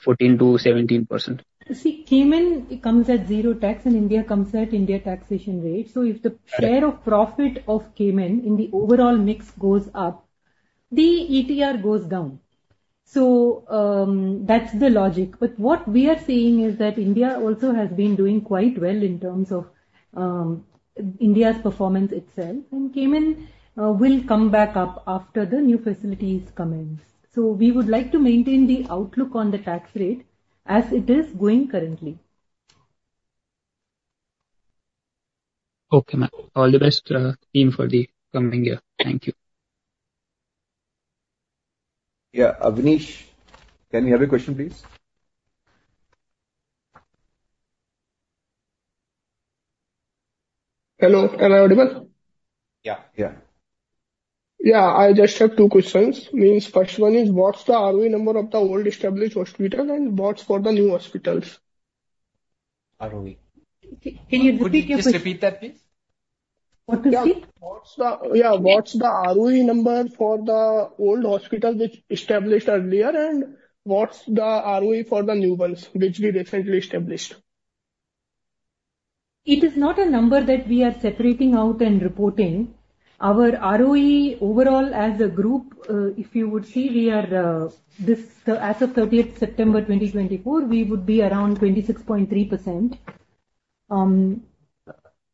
14%-17%? See, Cayman comes at zero tax, and India comes at India taxation rate. So if the share of profit of Cayman in the overall mix goes up, the ETR goes down. So that's the logic. But what we are seeing is that India also has been doing quite well in terms of India's performance itself. And Cayman will come back up after the new facilities come in. So we would like to maintain the outlook on the tax rate as it is going currently. Okay. All the best, team, for the coming year. Thank you. Yeah. Avinash, can you have a question, please? Hello. Am I audible? Yeah. Yeah. Yeah. I just have two questions. First one is, what's the ROE number of the old established hospitals, and what's for the new hospitals? ROE. Can you just repeat that, please? What is the? Yeah. What's the ROE number for the old hospitals which established earlier, and what's the ROE for the new ones which we recently established? It is not a number that we are separating out and reporting. Our ROE overall as a group, if you would see, as of 30th September 2024, we would be around 26.3%.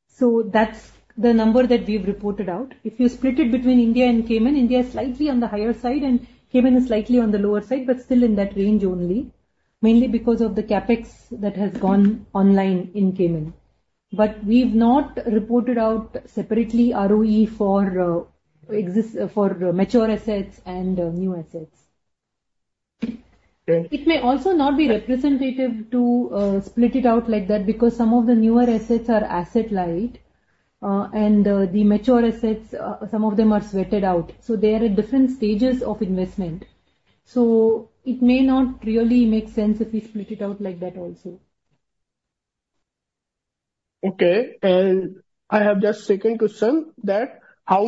So that's the number that we've reported out. If you split it between India and Cayman, India is slightly on the higher side, and Cayman is slightly on the lower side, but still in that range only, mainly because of the CapEx that has gone online in Cayman. But we've not reported out separately ROE for mature assets and new assets. It may also not be representative to split it out like that because some of the newer assets are asset-light, and the mature assets, some of them are sweated out. So they are at different stages of investment. So it may not really make sense if we split it out like that also. Okay. And I have just a second question that how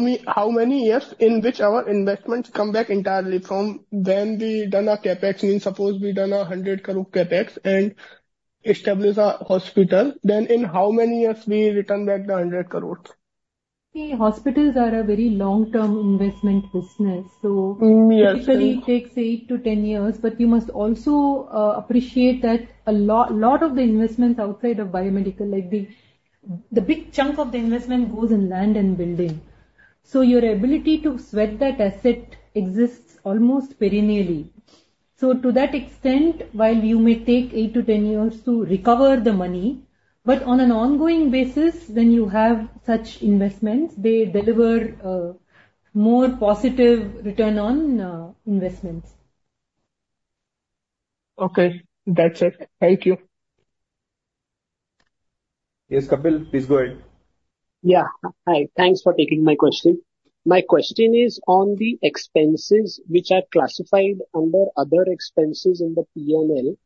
many years in which our investments come back entirely from when we've done our CapEx? Suppose we've done a 100 crore CapEx and established a hospital. Then in how many years will we return back the 100 crores? See, hospitals are a very long-term investment business. So it usually takes eight to 10 years. But you must also appreciate that a lot of the investments outside of biomedical, the big chunk of the investment goes in land and building. So your ability to sweat that asset exists almost perennially. So to that extent, while you may take eight to 10 years to recover the money, but on an ongoing basis, when you have such investments, they deliver more positive return on investments. Okay. That's it. Thank you. Yes, Kapil. Please go ahead. Yeah. Hi. Thanks for taking my question. My question is on the expenses which are classified under other expenses in the P&L.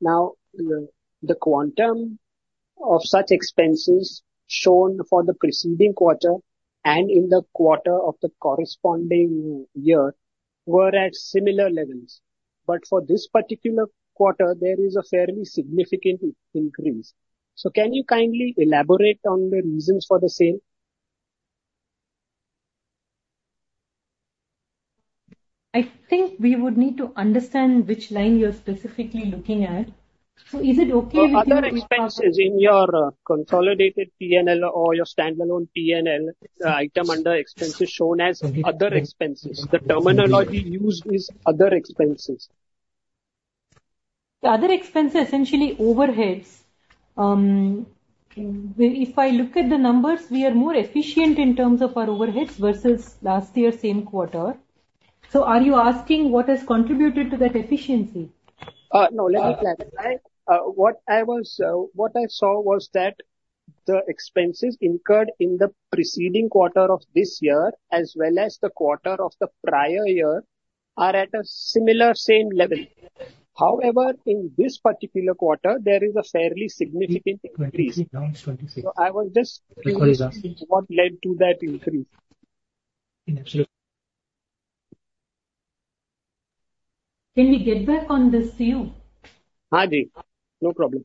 Now, the quantum of such expenses shown for the preceding quarter and in the quarter of the corresponding year were at similar levels. But for this particular quarter, there is a fairly significant increase. So can you kindly elaborate on the reasons for the same? I think we would need to understand which line you're specifically looking at. So is it okay if we? Other expenses in your consolidated P&L or your standalone P&L item under expenses shown as other expenses. The terminology used is other expenses. The other expense is essentially overheads. If I look at the numbers, we are more efficient in terms of our overheads versus last year's same quarter. So are you asking what has contributed to that efficiency? No, let me clarify. What I saw was that the expenses incurred in the preceding quarter of this year as well as the quarter of the prior year are at a similar same level. However, in this particular quarter, there is a fairly significant increase. So I was just curious what led to that increase. Can we get back to you on this? Hi, Ji. No problem.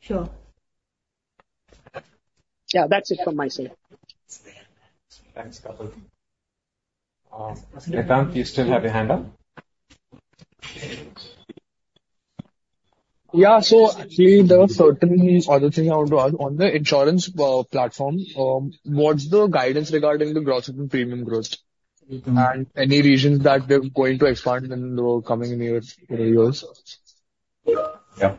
Sure. Yeah. That's it from my side. Thanks, Kapil. Adam, do you still have your hand up? Yeah. So actually, there are certain other things I want to ask. On the insurance platform, what's the guidance regarding the gross written premium growth and any regions that they're going to expand in the coming years? Yeah.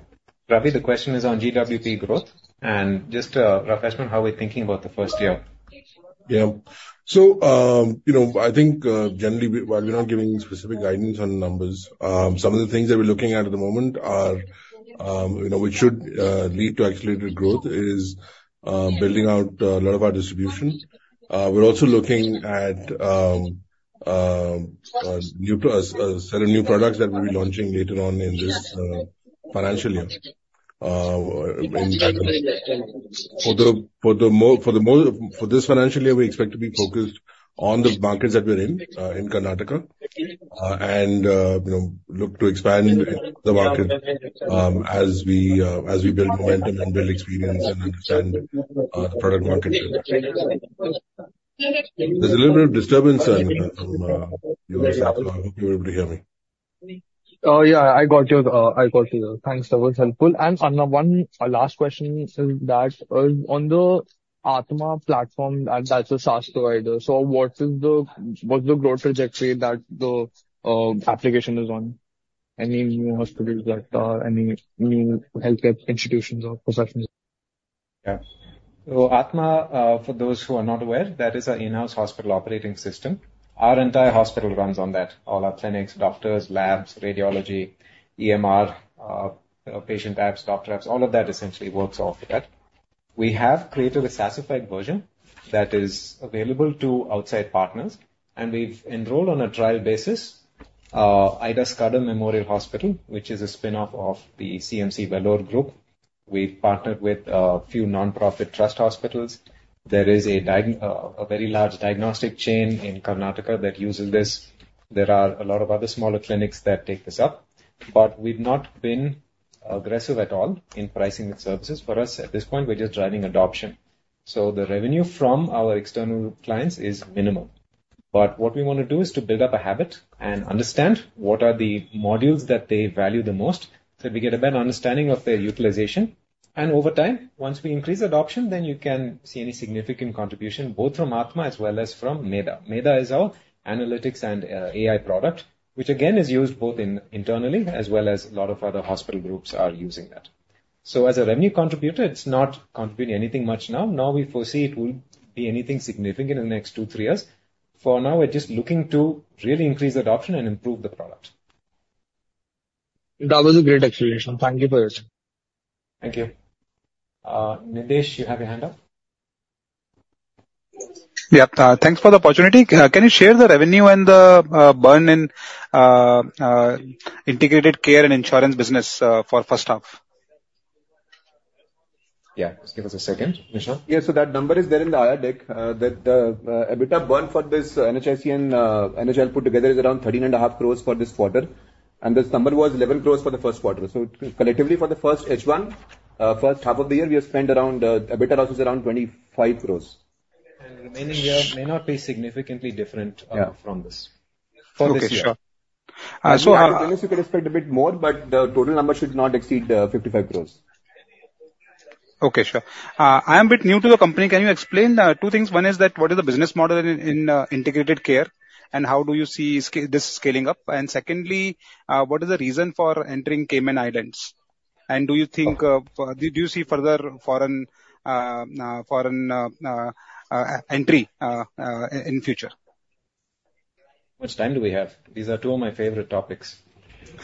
Ravi, the question is on GWP growth, and just a refreshment, how are we thinking about the first year? Yeah. So I think generally, while we're not giving specific guidance on numbers, some of the things that we're looking at at the moment which should lead to accelerated growth is building out a lot of our distribution. We're also looking at selling new products that we'll be launching later on in this financial year. For this financial year, we expect to be focused on the markets that we're in, in Karnataka, and look to expand the market as we build momentum and build experience and understand the product market. There's a little bit of disturbance on yours, so I hope you're able to hear me. Oh, yeah. I got you. I got you. Thanks. That was helpful. And one last question is that on the Athma platform, that's a SaaS provider. So what's the growth trajectory that the application is on? Any new hospitals that are any new healthcare institutions or professionals? Yeah. So Athma, for those who are not aware, that is our in-house hospital operating system. Our entire hospital runs on that. All our clinics, doctors, labs, radiology, EMR, patient apps, doctor apps, all of that essentially works off of that. We have created a SaaSified version that is available to outside partners. And we've enrolled on a trial basis Ida Scudder Memorial Hospital, which is a spinoff of the CMC Vellore Group. We've partnered with a few nonprofit trust hospitals. There is a very large diagnostic chain in Karnataka that uses this. There are a lot of other smaller clinics that take this up. But we've not been aggressive at all in pricing the services. For us, at this point, we're just driving adoption. So the revenue from our external clients is minimal. But what we want to do is to build up a habit and understand what are the modules that they value the most so that we get a better understanding of their utilization. And over time, once we increase adoption, then you can see any significant contribution both from Athma as well as from Medha. Medha is our analytics and AI product, which, again, is used both internally as well as a lot of other hospital groups are using that. So as a revenue contributor, it's not contributing anything much now. Now we foresee it will be anything significant in the next two, three years. For now, we're just looking to really increase adoption and improve the product. That was a great explanation. Thank you for your time. Thank you. Nishant, you have your hand up. Yep. Thanks for the opportunity. Can you share the revenue and the burn in integrated care and insurance business for First Half? Yeah. Just give us a second. Vishal? Yeah. So that number is there in the addendum. The EBITDA burn for this NHIC and NHL put together is around 13.5 crores for this quarter. And this number was 11 crores for the first quarter. So collectively, for the first H1, first half of the year, we have spent around EBITDA losses around 25 crores. Remaining year may not be significantly different from this. Yeah. Okay. Sure. I don't know if you could expect a bit more, but the total number should not exceed 55 crores. Okay. Sure. I am a bit new to the company. Can you explain two things? One is that what is the business model in integrated care and how do you see this scaling up? And secondly, what is the reason for entering Cayman Islands? And do you think you see further foreign entry in the future? Which time do we have? These are two of my favorite topics.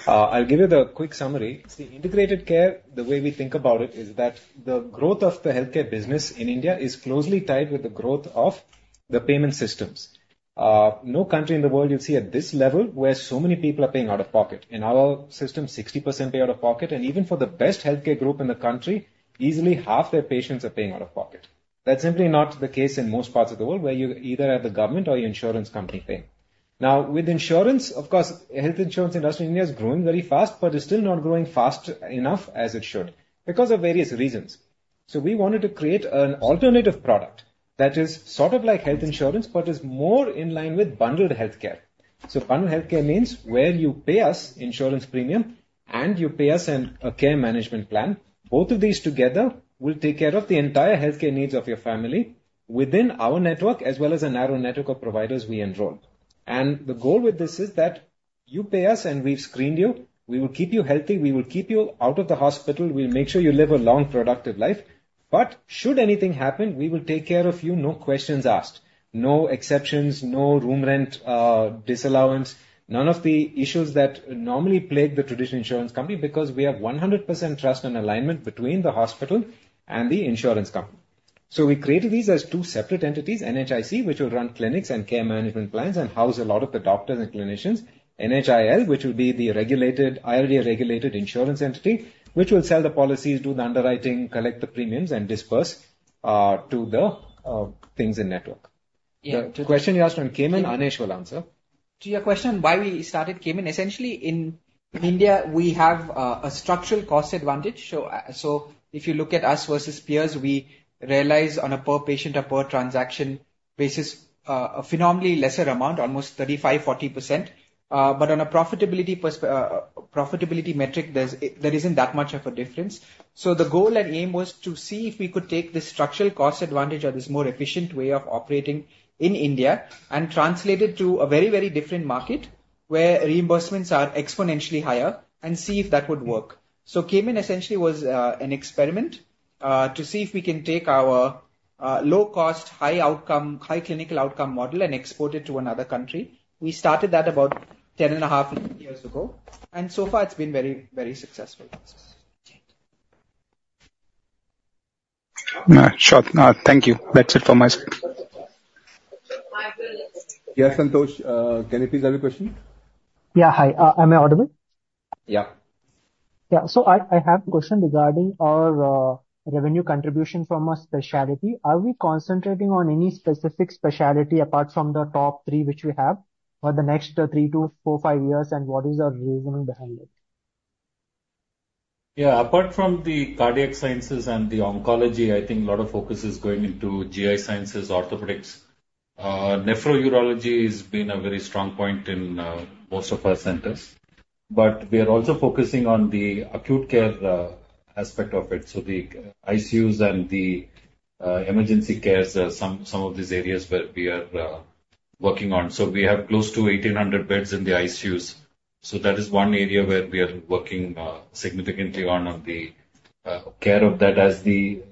I'll give you the quick summary. See, integrated care, the way we think about it is that the growth of the healthcare business in India is closely tied with the growth of the payment systems. No country in the world you'll see at this level where so many people are paying out of pocket. In our system, 60% pay out of pocket. And even for the best healthcare group in the country, easily half their patients are paying out of pocket. That's simply not the case in most parts of the world where you're either at the government or your insurance company paying. Now, with insurance, of course, health insurance industry in India is growing very fast, but it's still not growing fast enough as it should because of various reasons. So we wanted to create an alternative product that is sort of like health insurance but is more in line with bundled healthcare. So bundled healthcare means where you pay us insurance premium and you pay us a care management plan. Both of these together will take care of the entire healthcare needs of your family within our network as well as a narrow network of providers we enroll. And the goal with this is that you pay us and we've screened you. We will keep you healthy. We will keep you out of the hospital. We'll make sure you live a long, productive life. But should anything happen, we will take care of you, no questions asked. No exceptions, no room rent disallowance, none of the issues that normally plague the traditional insurance company because we have 100% trust and alignment between the hospital and the insurance company. So we created these as two separate entities, NHIC, which will run clinics and care management plans and house a lot of the doctors and clinicians, NHIL, which will be the regulated IRDA-regulated insurance entity, which will sell the policies, do the underwriting, collect the premiums, and disperse to the things in network. The question you asked on Cayman, Anesh will answer. To your question, why we started Cayman, essentially in India, we have a structural cost advantage, so if you look at us versus peers, we realize on a per patient, a per transaction basis, a phenomenally lesser amount, almost 35%-40%. But on a profitability metric, there isn't that much of a difference, so the goal and aim was to see if we could take this structural cost advantage or this more efficient way of operating in India and translate it to a very, very different market where reimbursements are exponentially higher and see if that would work, so Cayman essentially was an experiment to see if we can take our low-cost, high-outcome, high-clinical outcome model and export it to another country. We started that about 10 and a half years ago, and so far, it's been very, very successful. Sure. Thank you. That's it from my side. Yes, Santosh. Can you please have a question? Yeah. Hi. Am I audible? Yeah. Yeah. So I have a question regarding our revenue contribution from a specialty. Are we concentrating on any specific specialty apart from the top three, which we have for the next three, two, four, five years, and what is the reasoning behind it? Yeah. Apart from the cardiac sciences and the oncology, I think a lot of focus is going into GI sciences, orthopedics. Nephrology has been a very strong point in most of our centers. But we are also focusing on the acute care aspect of it. So the ICUs and the emergency cares are some of these areas where we are working on. So we have close to 1,800 beds in the ICUs. So that is one area where we are working significantly on the care of that as the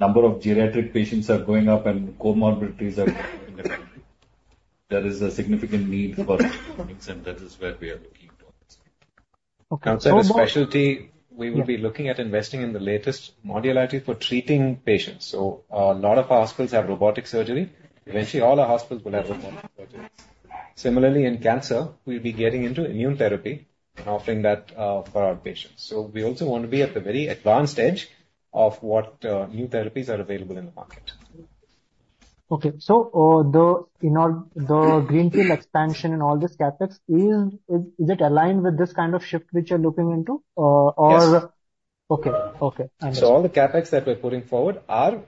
number of geriatric patients are going up and comorbidities are going up. There is a significant need for things, and that is where we are looking to. Okay, so about. For specialty, we will be looking at investing in the latest modalities for treating patients. So a lot of hospitals have robotic surgery. Eventually, all our hospitals will have robotic surgery. Similarly, in cancer, we'll be getting into immune therapy and offering that for our patients. So we also want to be at the very advanced edge of what new therapies are available in the market. Okay. So the greenfield expansion and all this CapEx, is it aligned with this kind of shift which you're looking into? Or? Yeah. Okay. Okay. So all the CapEx that we're putting forward are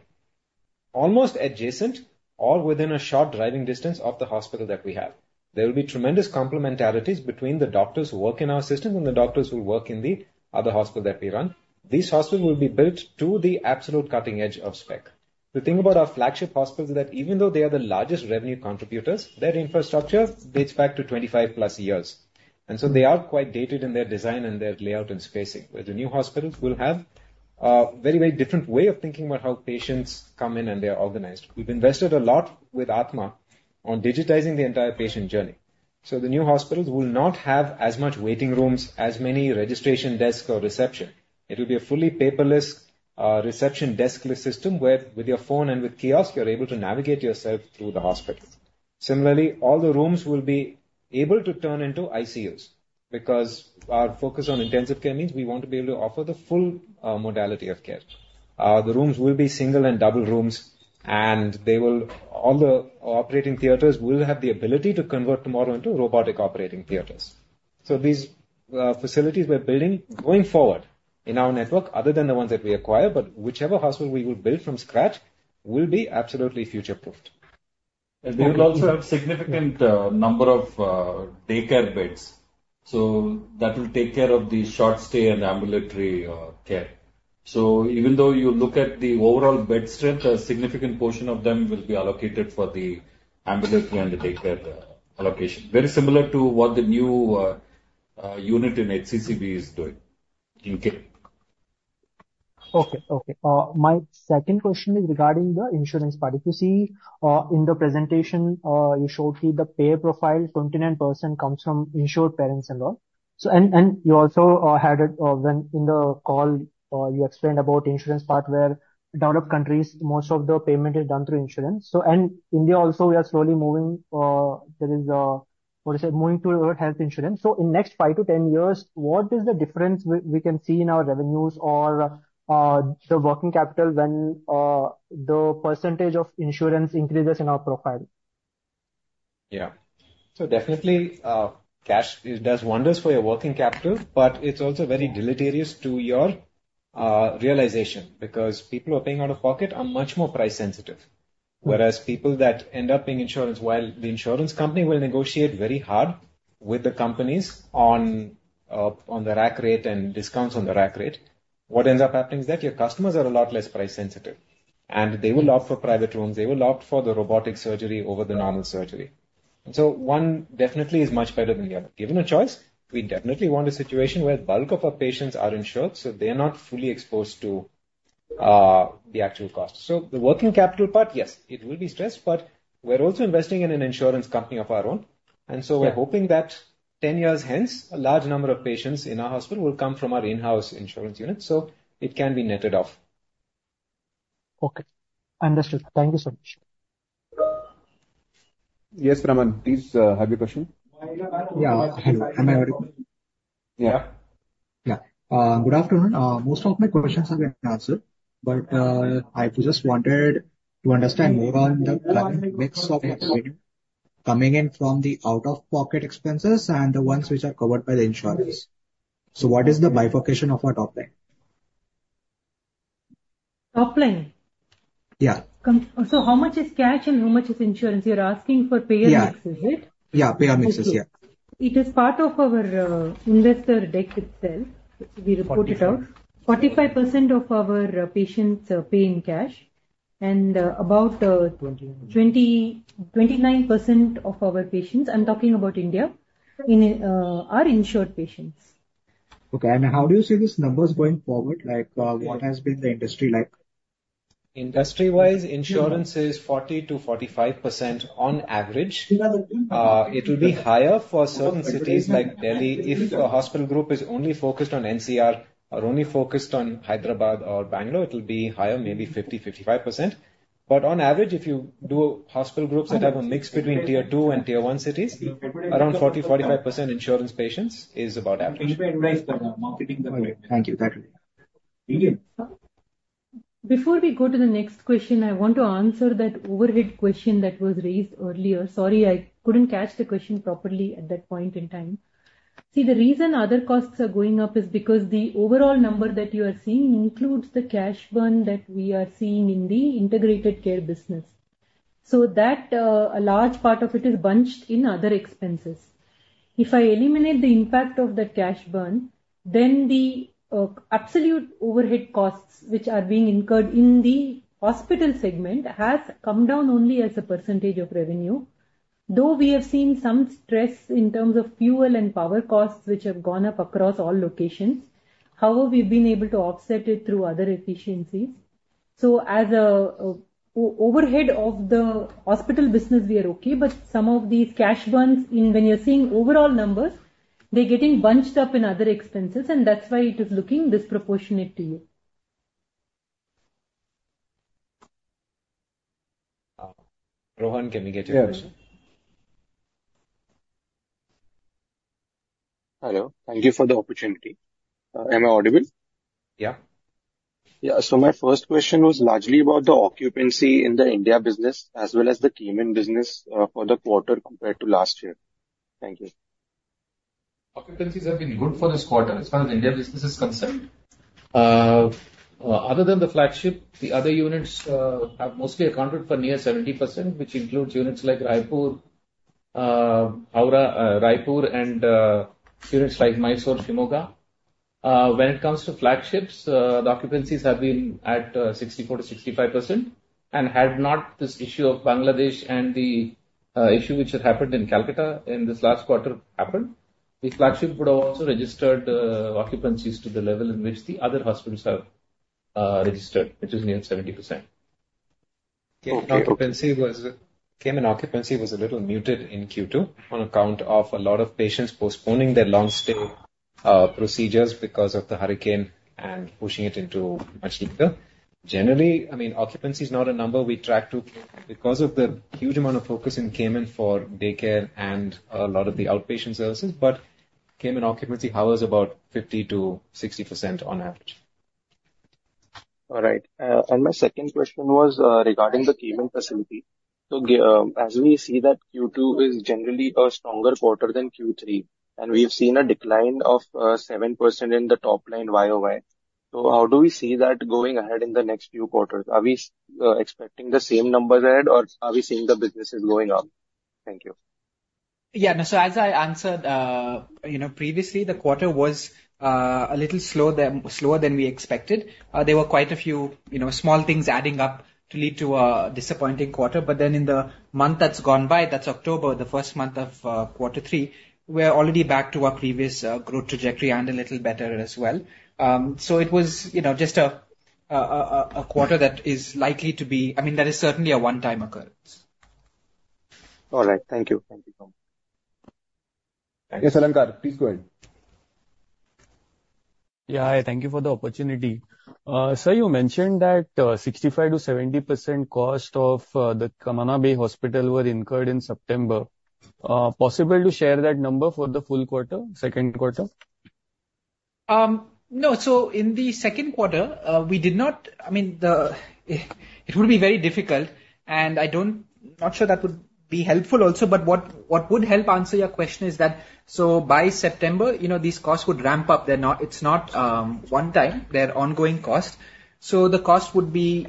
almost adjacent or within a short driving distance of the hospital that we have. There will be tremendous complementarities between the doctors who work in our systems and the doctors who work in the other hospital that we run. These hospitals will be built to the absolute cutting edge of spec. The thing about our flagship hospitals is that even though they are the largest revenue contributors, their infrastructure dates back to 25-plus years. And so they are quite dated in their design and their layout and spacing, whereas the new hospitals will have a very, very different way of thinking about how patients come in and they are organized. We've invested a lot with Athma on digitizing the entire patient journey. So the new hospitals will not have as much waiting rooms, as many registration desks or reception. It will be a fully paperless reception desk system where, with your phone and with kiosk, you're able to navigate yourself through the hospital. Similarly, all the rooms will be able to turn into ICUs because our focus on intensive care means we want to be able to offer the full modality of care. The rooms will be single and double rooms, and all the operating theaters will have the ability to convert tomorrow into robotic operating theaters. So these facilities we're building going forward in our network, other than the ones that we acquire, but whichever hospital we will build from scratch will be absolutely future-proofed. And we will also have a significant number of daycare beds. So that will take care of the short-stay and ambulatory care. So even though you look at the overall bed strength, a significant portion of them will be allocated for the ambulatory and the daycare allocation, very similar to what the new unit in HCCB is doing in Cayman. Okay. Okay. My second question is regarding the insurance payer. You see, in the presentation, you showed me the payer profile, 29% comes from insured patients and all. And you also had it in the call, you explained about insurance part where developed countries, most of the payment is done through insurance. And India also, we are slowly moving. There is, what is it, moving toward health insurance. So in the next 5-10 years, what is the difference we can see in our revenues or the working capital when the percentage of insurance increases in our profile? Yeah. So definitely, cash does wonders for your working capital, but it's also very deleterious to your realization because people who are paying out of pocket are much more price-sensitive. Whereas people that end up in insurance, while the insurance company will negotiate very hard with the companies on the rack rate and discounts on the rack rate, what ends up happening is that your customers are a lot less price-sensitive. And they will opt for private rooms. They will opt for the robotic surgery over the normal surgery. And so one definitely is much better than the other. Given a choice, we definitely want a situation where the bulk of our patients are insured, so they're not fully exposed to the actual cost. So the working capital part, yes, it will be stressed, but we're also investing in an insurance company of our own. And so we're hoping that 10 years hence, a large number of patients in our hospital will come from our in-house insurance unit, so it can be netted off. Okay. Understood. Thank you so much. Yes, Praman. Please have your question. Yeah. I'm here. Yeah. Yeah. Good afternoon. Most of my questions have been answered, but I just wanted to understand more on the current mix of revenue coming in from the out-of-pocket expenses and the ones which are covered by the insurance. So what is the bifurcation of our top line? Top line? Yeah. So how much is cash and how much is insurance? You're asking for payer mix, is it? Yeah. Yeah. Payer mixes, yeah. It is part of our investor deck itself. We report it out. 45% of our patients pay in cash, and about 29% of our patients, I'm talking about India, are insured patients. Okay. And how do you see these numbers going forward? What has been the industry like? Industry-wise, insurance is 40%-45% on average. It will be higher for certain cities like Delhi. If a hospital group is only focused on NCR or only focused on Hyderabad or Bangalore, it will be higher, maybe 50%-55%. But on average, if you do hospital groups that have a mix between tier two and tier one cities, around 40%-45% insurance patients is about average. Thank you. That will be. Before we go to the next question, I want to answer that overhead question that was raised earlier. Sorry, I couldn't catch the question properly at that point in time. See, the reason other costs are going up is because the overall number that you are seeing includes the cash burn that we are seeing in the integrated care business. So a large part of it is bunched in other expenses. If I eliminate the impact of the cash burn, then the absolute overhead costs, which are being incurred in the hospital segment, have come down only as a percentage of revenue. Though we have seen some stress in terms of fuel and power costs, which have gone up across all locations, however, we've been able to offset it through other efficiencies. So as an overhead of the hospital business, we are okay, but some of these cash burns, when you're seeing overall numbers, they're getting bunched up in other expenses, and that's why it is looking disproportionate to you. Rohan, can you get your question? Hello. Thank you for the opportunity. Am I audible? Yeah. Yeah. So my first question was largely about the occupancy in the India business as well as the Cayman business for the quarter compared to last year. Thank you. Occupancies have been good for this quarter as far as India business is concerned. Other than the flagship, the other units have mostly accounted for near 70%, which includes units like Raipur and units like Mysore, Shimoga. When it comes to flagships, the occupancies have been at 64%-65% and had not this issue of Bangladesh and the issue which had happened in Kolkata in this last quarter happened. The flagship would have also registered occupancies to the level in which the other hospitals have registered, which is near 70%. Cayman occupancy was a little muted in Q2 on account of a lot of patients postponing their long-stay procedures because of the hurricane and pushing it into much later. Generally, I mean, occupancy is not a number we track too because of the huge amount of focus in Cayman for daycare and a lot of the outpatient services, but Cayman occupancy hours are about 50%-60% on average. All right. And my second question was regarding the Cayman facility. So as we see that Q2 is generally a stronger quarter than Q3, and we've seen a decline of 7% in the top line YOY. So how do we see that going ahead in the next few quarters? Are we expecting the same numbers ahead, or are we seeing the businesses going up? Thank you. Yeah. So as I answered previously, the quarter was a little slower than we expected. There were quite a few small things adding up to lead to a disappointing quarter. But then in the month that's gone by, that's October, the first month of quarter three, we're already back to our previous growth trajectory and a little better as well. So it was just a quarter that is likely to be I mean, that is certainly a one-time occurrence. All right. Thank you. Thank you so much. Thank you, Shankar. Please go ahead. Yeah. Thank you for the opportunity. Sir, you mentioned that 65%-70% cost of the Camana Bay Hospital were incurred in September. Possible to share that number for the full quarter, second quarter? No. So in the second quarter, we did not. I mean, it would be very difficult, and I'm not sure that would be helpful also. But what would help answer your question is that. So by September, these costs would ramp up. It's not one-time. They're ongoing costs. So the cost would be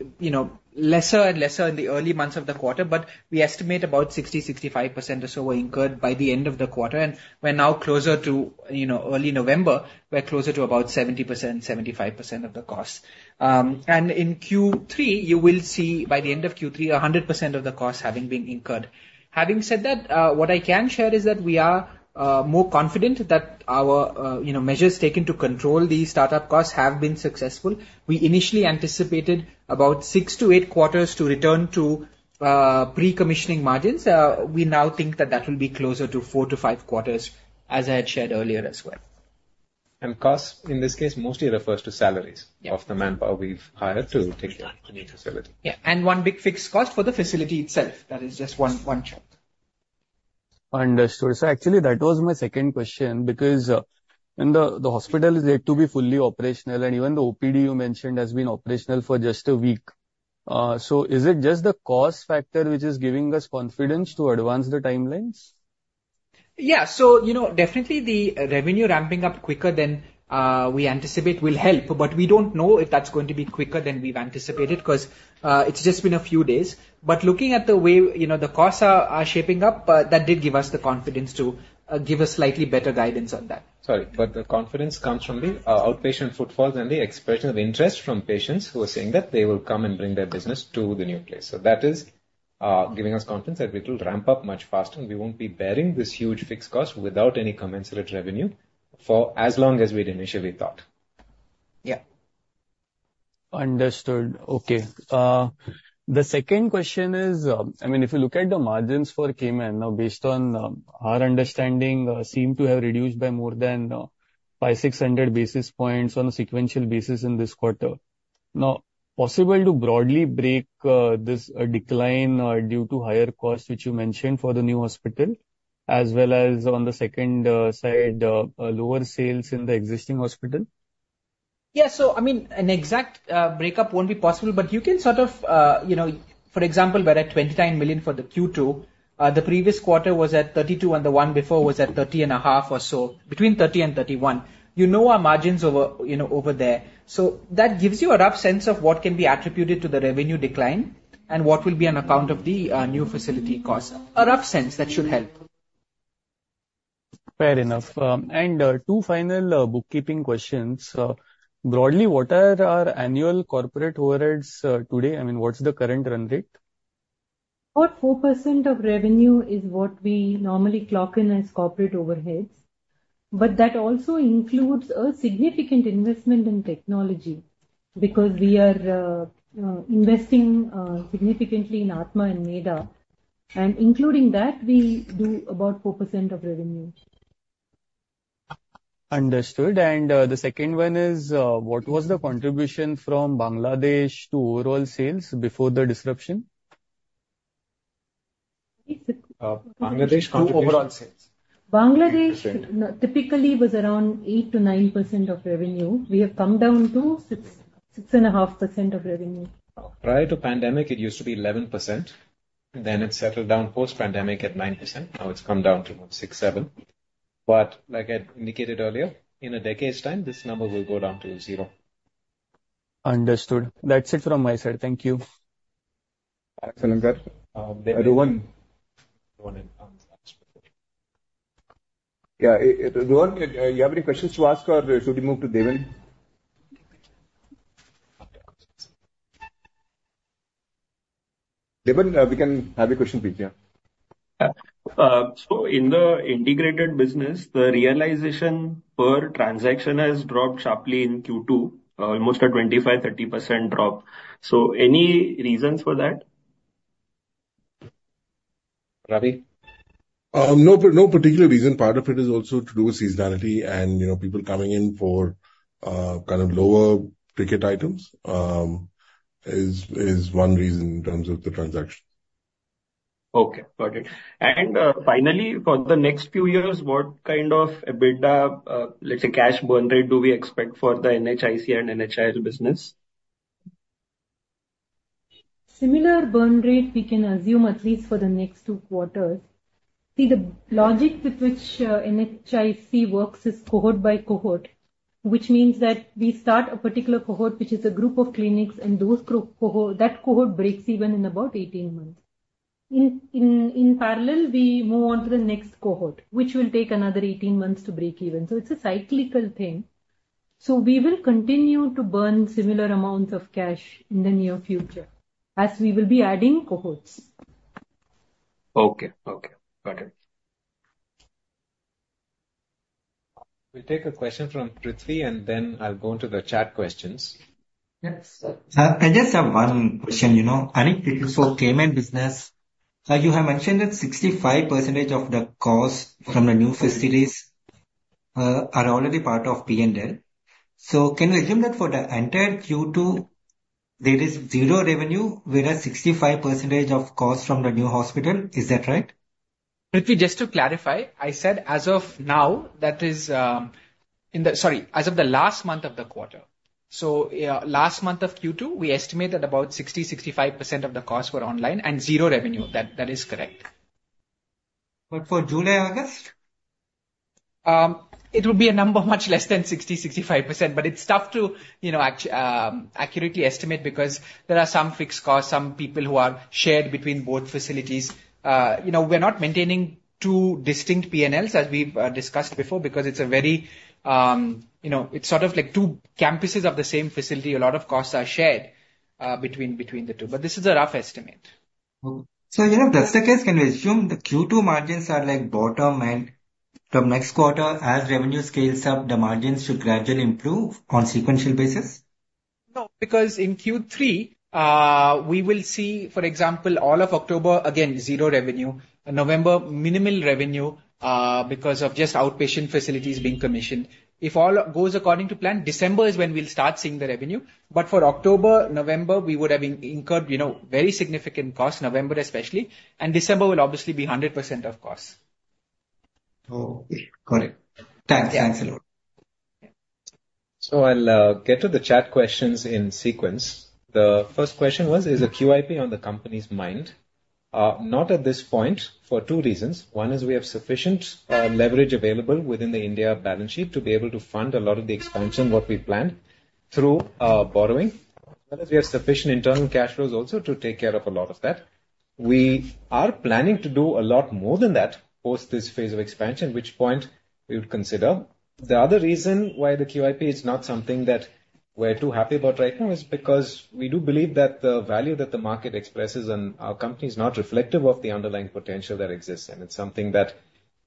lesser and lesser in the early months of the quarter, but we estimate about 60-65% or so were incurred by the end of the quarter. And we're now closer to early November, we're closer to about 70%-75% of the costs. And in Q3, you will see by the end of Q3, 100% of the costs having been incurred. Having said that, what I can share is that we are more confident that our measures taken to control these startup costs have been successful. We initially anticipated about six to eight quarters to return to pre-commissioning margins. We now think that will be closer to four to five quarters, as I had shared earlier as well. Cost, in this case, mostly refers to salaries of the manpower we've hired to take care of the new facility. Yeah. And one big fixed cost for the facility itself. That is just one chunk. Understood. So actually, that was my second question because the hospital is yet to be fully operational, and even the OPD you mentioned has been operational for just a week. So is it just the cost factor which is giving us confidence to advance the timelines? Yeah. So definitely, the revenue ramping up quicker than we anticipate will help, but we don't know if that's going to be quicker than we've anticipated because it's just been a few days. But looking at the way the costs are shaping up, that did give us the confidence to give a slightly better guidance on that. Sorry. But the confidence comes from the outpatient footfalls and the expression of interest from patients who are saying that they will come and bring their business to the new place. So that is giving us confidence that it will ramp up much faster, and we won't be bearing this huge fixed cost without any commensurate revenue for as long as we initially thought. Yeah. Understood. Okay. The second question is, I mean, if you look at the margins for Cayman, now, based on our understanding, seem to have reduced by more than 5,600 basis points on a sequential basis in this quarter. Now, possible to broadly break this decline due to higher costs, which you mentioned, for the new hospital, as well as on the second side, lower sales in the existing hospital? Yeah. So I mean, an exact breakup won't be possible, but you can sort of, for example, we're at $29 million for the Q2. The previous quarter was at $32 million, and the one before was at $30.5 million or so, between $30 million and $31 million. You know our margins over there. So that gives you a rough sense of what can be attributed to the revenue decline and what will be on account of the new facility costs. A rough sense that should help. Fair enough. Two final bookkeeping questions. Broadly, what are our annual corporate overheads today? I mean, what's the current run rate? About 4% of revenue is what we normally clock in as corporate overheads. But that also includes a significant investment in technology because we are investing significantly in Athma and Medha. And including that, we do about 4% of revenue. Understood. And the second one is, what was the contribution from Bangladesh to overall sales before the disruption? Bangladesh to overall sales? Bangladesh typically was around 8%-9% of revenue. We have come down to 6.5% of revenue. Prior to pandemic, it used to be 11%. Then it settled down post-pandemic at 9%. Now it's come down to 6%-7%. But like I indicated earlier, in a decade's time, this number will go down to zero. Understood. That's it from my side. Thank you. Thanks, Shankar. Rohan? Yeah. Rohan, you have any questions to ask, or should we move to Devan? Devan, we can have a question, please. Yeah. In the integrated business, the realization per transaction has dropped sharply in Q2, almost a 25%-30% drop. Any reasons for that? Ravi? No particular reason. Part of it is also to do with seasonality, and people coming in for kind of lower ticket items is one reason in terms of the transaction. Okay. Got it. And finally, for the next few years, what kind of, let's say, cash burn rate do we expect for the NHIC and NHIL business? Similar burn rate, we can assume at least for the next two quarters. See, the logic with which NHIC works is cohort by cohort, which means that we start a particular cohort, which is a group of clinics, and that cohort breaks even in about 18 months. In parallel, we move on to the next cohort, which will take another 18 months to break even. So it's a cyclical thing. So we will continue to burn similar amounts of cash in the near future as we will be adding cohorts. Okay. Okay. Got it. We'll take a question from Prithvi, and then I'll go into the chat questions. Can I just have one question? I think it is for Cayman business. You have mentioned that 65% of the costs from the new facilities are already part of P&L. So can we assume that for the entire Q2, there is zero revenue, whereas 65% of costs from the new hospital? Is that right? Prithvi, just to clarify, I said as of now, that is sorry, as of the last month of the quarter, so last month of Q2, we estimate that about 60%-65% of the costs were online and zero revenue. That is correct. But for July-August? It would be a number much less than 60%-65%, but it's tough to accurately estimate because there are some fixed costs, some people who are shared between both facilities. We're not maintaining two distinct P&Ls, as we've discussed before, because it's a very sort of like two campuses of the same facility. A lot of costs are shared between the two. But this is a rough estimate. So if that's the case, can we assume the Q2 margins are bottom end from next quarter? As revenue scales up, the margins should gradually improve on a sequential basis. No, because in Q3, we will see, for example, all of October, again, zero revenue. November, minimal revenue because of just outpatient facilities being commissioned. If all goes according to plan, December is when we'll start seeing the revenue. But for October, November, we would have incurred very significant costs, November especially, and December will obviously be 100% of costs. Okay. Got it. Thanks, Shankar. So I'll get to the chat questions in sequence. The first question was, is a QIP on the company's mind? Not at this point for two reasons. One is we have sufficient leverage available within the India balance sheet to be able to fund a lot of the expansion, what we planned, through borrowing. As well as we have sufficient internal cash flows also to take care of a lot of that. We are planning to do a lot more than that post this phase of expansion, which point we would consider. The other reason why the QIP is not something that we're too happy about right now is because we do believe that the value that the market expresses on our company is not reflective of the underlying potential that exists. It's something that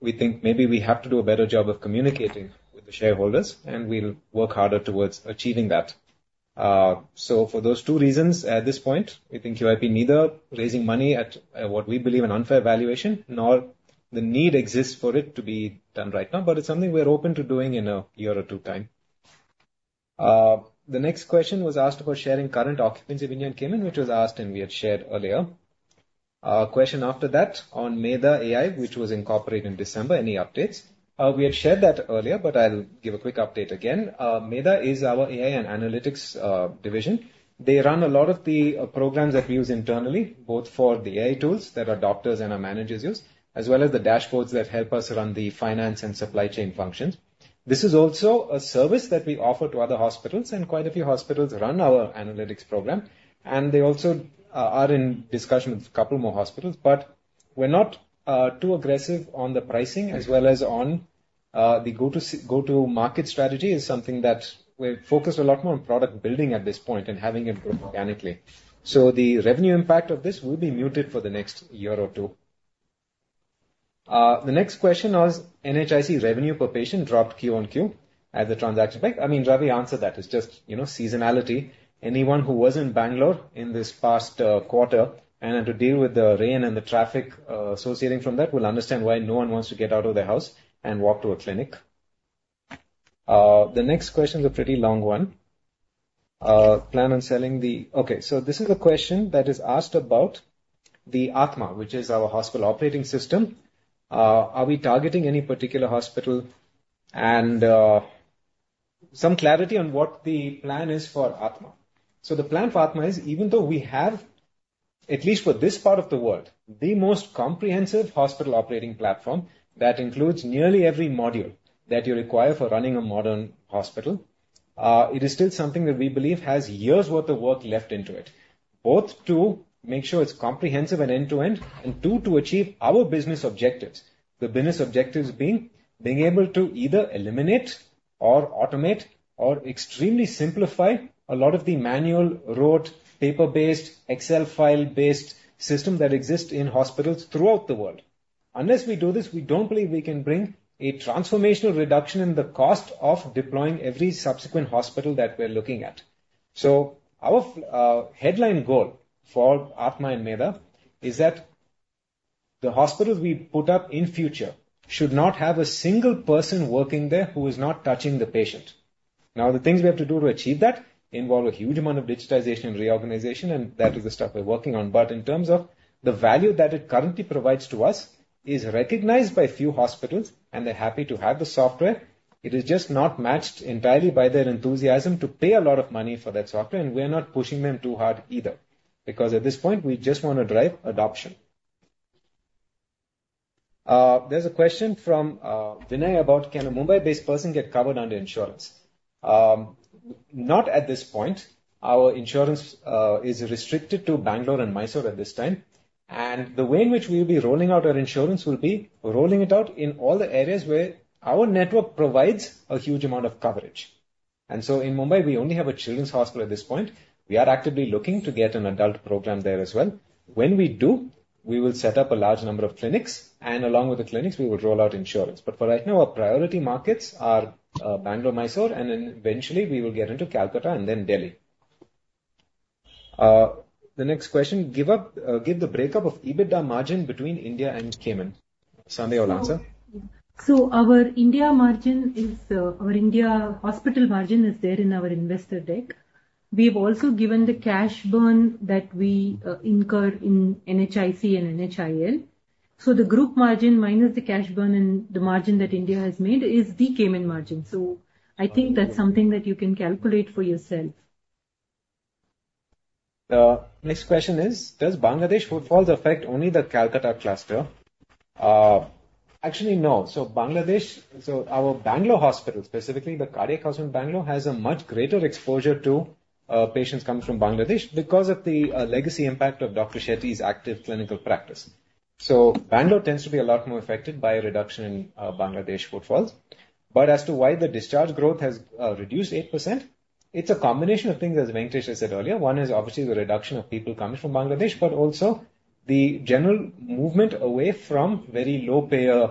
we think maybe we have to do a better job of communicating with the shareholders, and we'll work harder towards achieving that. So for those two reasons, at this point, we think QIP neither raising money at what we believe an unfair valuation, nor the need exists for it to be done right now, but it's something we're open to doing in a year or two time. The next question was asked about sharing current occupancy of India and Cayman, which was asked, and we had shared earlier. Question after that on Medhha AI, which was incorporated in December, any updates? We had shared that earlier, but I'll give a quick update again. Medha is our AI and analytics division. They run a lot of the programs that we use internally, both for the AI tools that our doctors and our managers use, as well as the dashboards that help us run the finance and supply chain functions. This is also a service that we offer to other hospitals, and quite a few hospitals run our analytics program. And they also are in discussion with a couple more hospitals, but we're not too aggressive on the pricing as well as on the go-to-market strategy, is something that we're focused a lot more on product building at this point and having it grow organically. So the revenue impact of this will be muted for the next year or two. The next question was, NHIC revenue per patient dropped Q on Q as a transaction bank. I mean, Ravi answered that. It's just seasonality. Anyone who was in Bangalore in this past quarter and had to deal with the rain and the traffic arising from that will understand why no one wants to get out of their house and walk to a clinic. The next question is a pretty long one. Plan on scaling? Okay. So this is a question that is asked about the Athma, which is our hospital operating system. Are we targeting any particular hospital? And some clarity on what the plan is for Athma. So the plan for Athma is, even though we have, at least for this part of the world, the most comprehensive hospital operating platform that includes nearly every module that you require for running a modern hospital, it is still something that we believe has years' worth of work left in it. Both to make sure it's comprehensive and end-to-end, and two, to achieve our business objectives. The business objectives being able to either eliminate or automate or extremely simplify a lot of the manual rote, paper-based, Excel file-based systems that exist in hospitals throughout the world. Unless we do this, we don't believe we can bring a transformational reduction in the cost of deploying every subsequent hospital that we're looking at. So our headline goal for Athma and Medha is that the hospitals we put up in future should not have a single person working there who is not touching the patient. Now, the things we have to do to achieve that involve a huge amount of digitization and reorganization, and that is the stuff we're working on. But in terms of the value that it currently provides to us, it is recognized by a few hospitals, and they're happy to have the software. It is just not matched entirely by their enthusiasm to pay a lot of money for that software, and we're not pushing them too hard either because at this point, we just want to drive adoption. There's a question from Vinay about, can a Mumbai-based person get covered under insurance? Not at this point. Our insurance is restricted to Bangalore and Mysore at this time. And the way in which we will be rolling out our insurance will be rolling it out in all the areas where our network provides a huge amount of coverage. And so in Mumbai, we only have a children's hospital at this point. We are actively looking to get an adult program there as well. When we do, we will set up a large number of clinics, and along with the clinics, we will roll out insurance. But for right now, our priority markets are Bangalore, Mysore, and then eventually, we will get into Kolkata and then Delhi. The next question, give the breakup of EBITDA margin between India and Cayman. Somebody will answer. So, our India margin is our India hospital margin is there in our investor deck. We've also given the cash burn that we incur in NHIC and NHIL. So, the group margin minus the cash burn and the margin that India has made is the Cayman margin. So, I think that's something that you can calculate for yourself. Next question is, does Bangladesh footfalls affect only the Kolkata cluster? Actually, no. So Bangladesh, our Bangalore hospital, specifically the Cardiac Hospital in Bangalore, has a much greater exposure to patients coming from Bangladesh because of the legacy impact of Dr. Shetty's active clinical practice. So Bangalore tends to be a lot more affected by a reduction in Bangladesh footfalls. But as to why the discharge growth has reduced 8%, it's a combination of things, as Venkatesh has said earlier. One is obviously the reduction of people coming from Bangladesh, but also the general movement away from very low-payer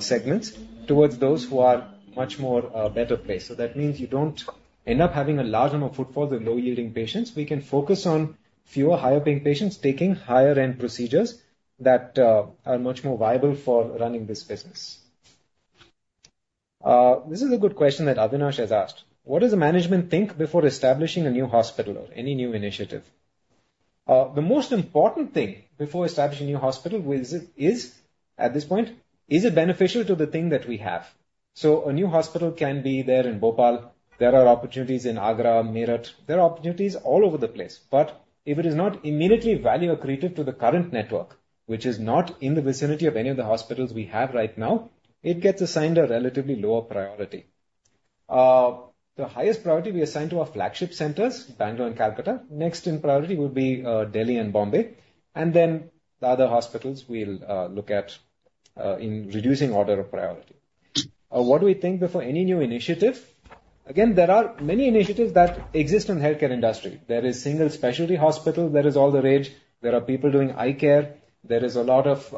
segments towards those who are much more better placed. So that means you don't end up having a large number of footfalls and low-yielding patients. We can focus on fewer higher-paying patients taking higher-end procedures that are much more viable for running this business. This is a good question that Avinash has asked. What does the management think before establishing a new hospital or any new initiative? The most important thing before establishing a new hospital is, at this point, is it beneficial to the thing that we have? So a new hospital can be there in Bhopal. There are opportunities in Agra, Meerut. There are opportunities all over the place. But if it is not immediately value-accretive to the current network, which is not in the vicinity of any of the hospitals we have right now, it gets assigned a relatively lower priority. The highest priority we assign to our flagship centers, Bangalore and Kolkata. Next in priority would be Delhi and Mumbai. And then the other hospitals we'll look at in reducing order of priority. What do we think before any new initiative? Again, there are many initiatives that exist in the healthcare industry. There is single specialty hospital. There is all the rage. There are people doing eye care. There is a lot of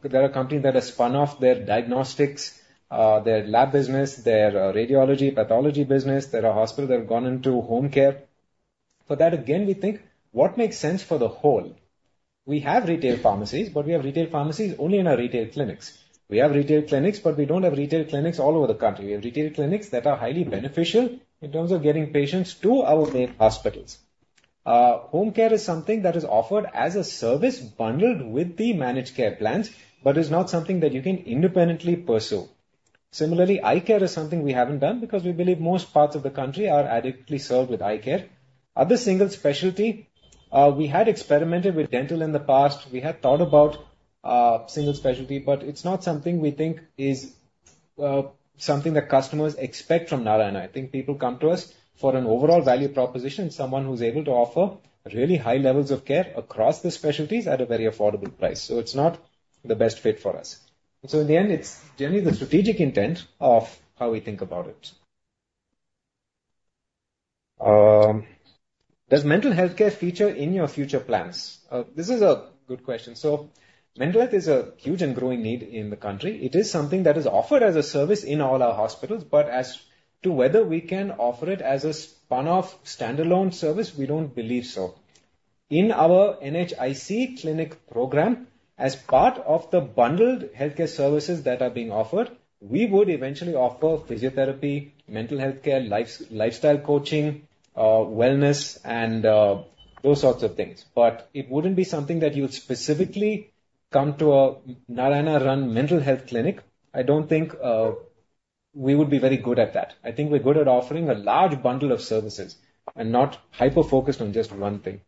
companies that have spun off their diagnostics, their lab business, their radiology, pathology business. There are hospitals that have gone into home care. For that, again, we think, what makes sense for the whole? We have retail pharmacies, but we have retail pharmacies only in our retail clinics. We have retail clinics, but we don't have retail clinics all over the country. We have retail clinics that are highly beneficial in terms of getting patients to our main hospitals. Home care is something that is offered as a service bundled with the managed care plans, but is not something that you can independently pursue. Similarly, eye care is something we haven't done because we believe most parts of the country are adequately served with eye care. Other single specialty, we had experimented with dental in the past. We had thought about single specialty, but it's not something we think is something that customers expect from Narayana. I think people come to us for an overall value proposition, someone who's able to offer really high levels of care across the specialties at a very affordable price. So it's not the best fit for us. So in the end, it's generally the strategic intent of how we think about it. Does mental healthcare feature in your future plans? This is a good question. So mental health is a huge and growing need in the country. It is something that is offered as a service in all our hospitals, but as to whether we can offer it as a spun-off standalone service, we don't believe so. In our NHIC clinic program, as part of the bundled healthcare services that are being offered, we would eventually offer physiotherapy, mental healthcare, lifestyle coaching, wellness, and those sorts of things. But it wouldn't be something that you'd specifically come to a Narayana-run mental health clinic. I don't think we would be very good at that. I think we're good at offering a large bundle of services and not hyper-focused on just one thing.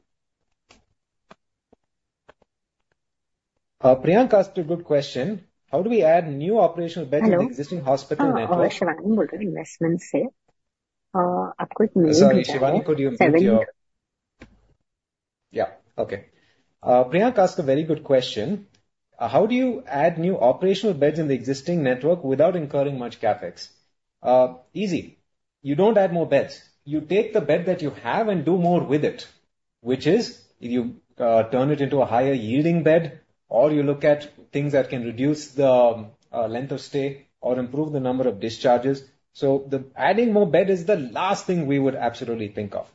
Priyanka asked a good question. How do we add new operational beds in the existing hospital network? Priyanka asked a very good question. How do you add new operational beds in the existing network without incurring much CapEx? Easy. You don't add more beds. You take the bed that you have and do more with it, which is you turn it into a higher-yielding bed, or you look at things that can reduce the length of stay or improve the number of discharges. So the adding more bed is the last thing we would absolutely think of.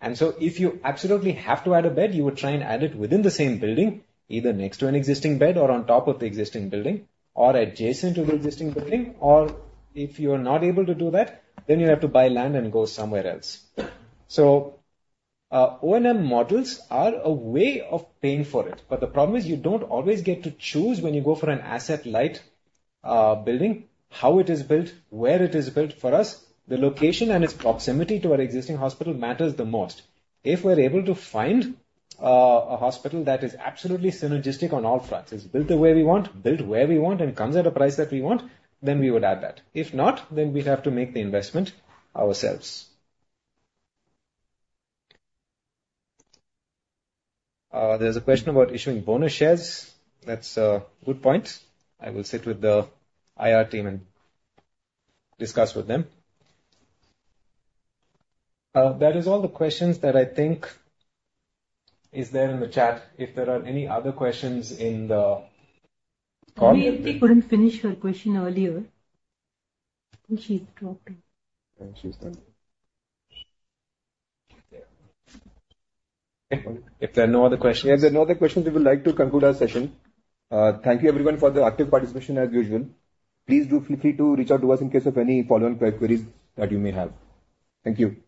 And so if you absolutely have to add a bed, you would try and add it within the same building, either next to an existing bed or on top of the existing building or adjacent to the existing building. Or if you are not able to do that, then you have to buy land and go somewhere else. So O&M models are a way of paying for it. But the problem is you don't always get to choose when you go for an asset-light building, how it is built, where it is built. For us, the location and its proximity to our existing hospital matters the most. If we're able to find a hospital that is absolutely synergistic on all fronts, is built the way we want, built where we want, and comes at a price that we want, then we would add that. If not, then we'd have to make the investment ourselves. There's a question about issuing bonus shares. That's a good point. I will sit with the IR team and discuss with them. That is all the questions that I think is there in the chat. If there are any other questions in the call. Vinayati couldn't finish her question earlier. I think she's dropped off. If there are no other questions, we would like to conclude our session. Thank you, everyone, for the active participation as usual. Please do feel free to reach out to us in case of any follow-on queries that you may have. Thank you.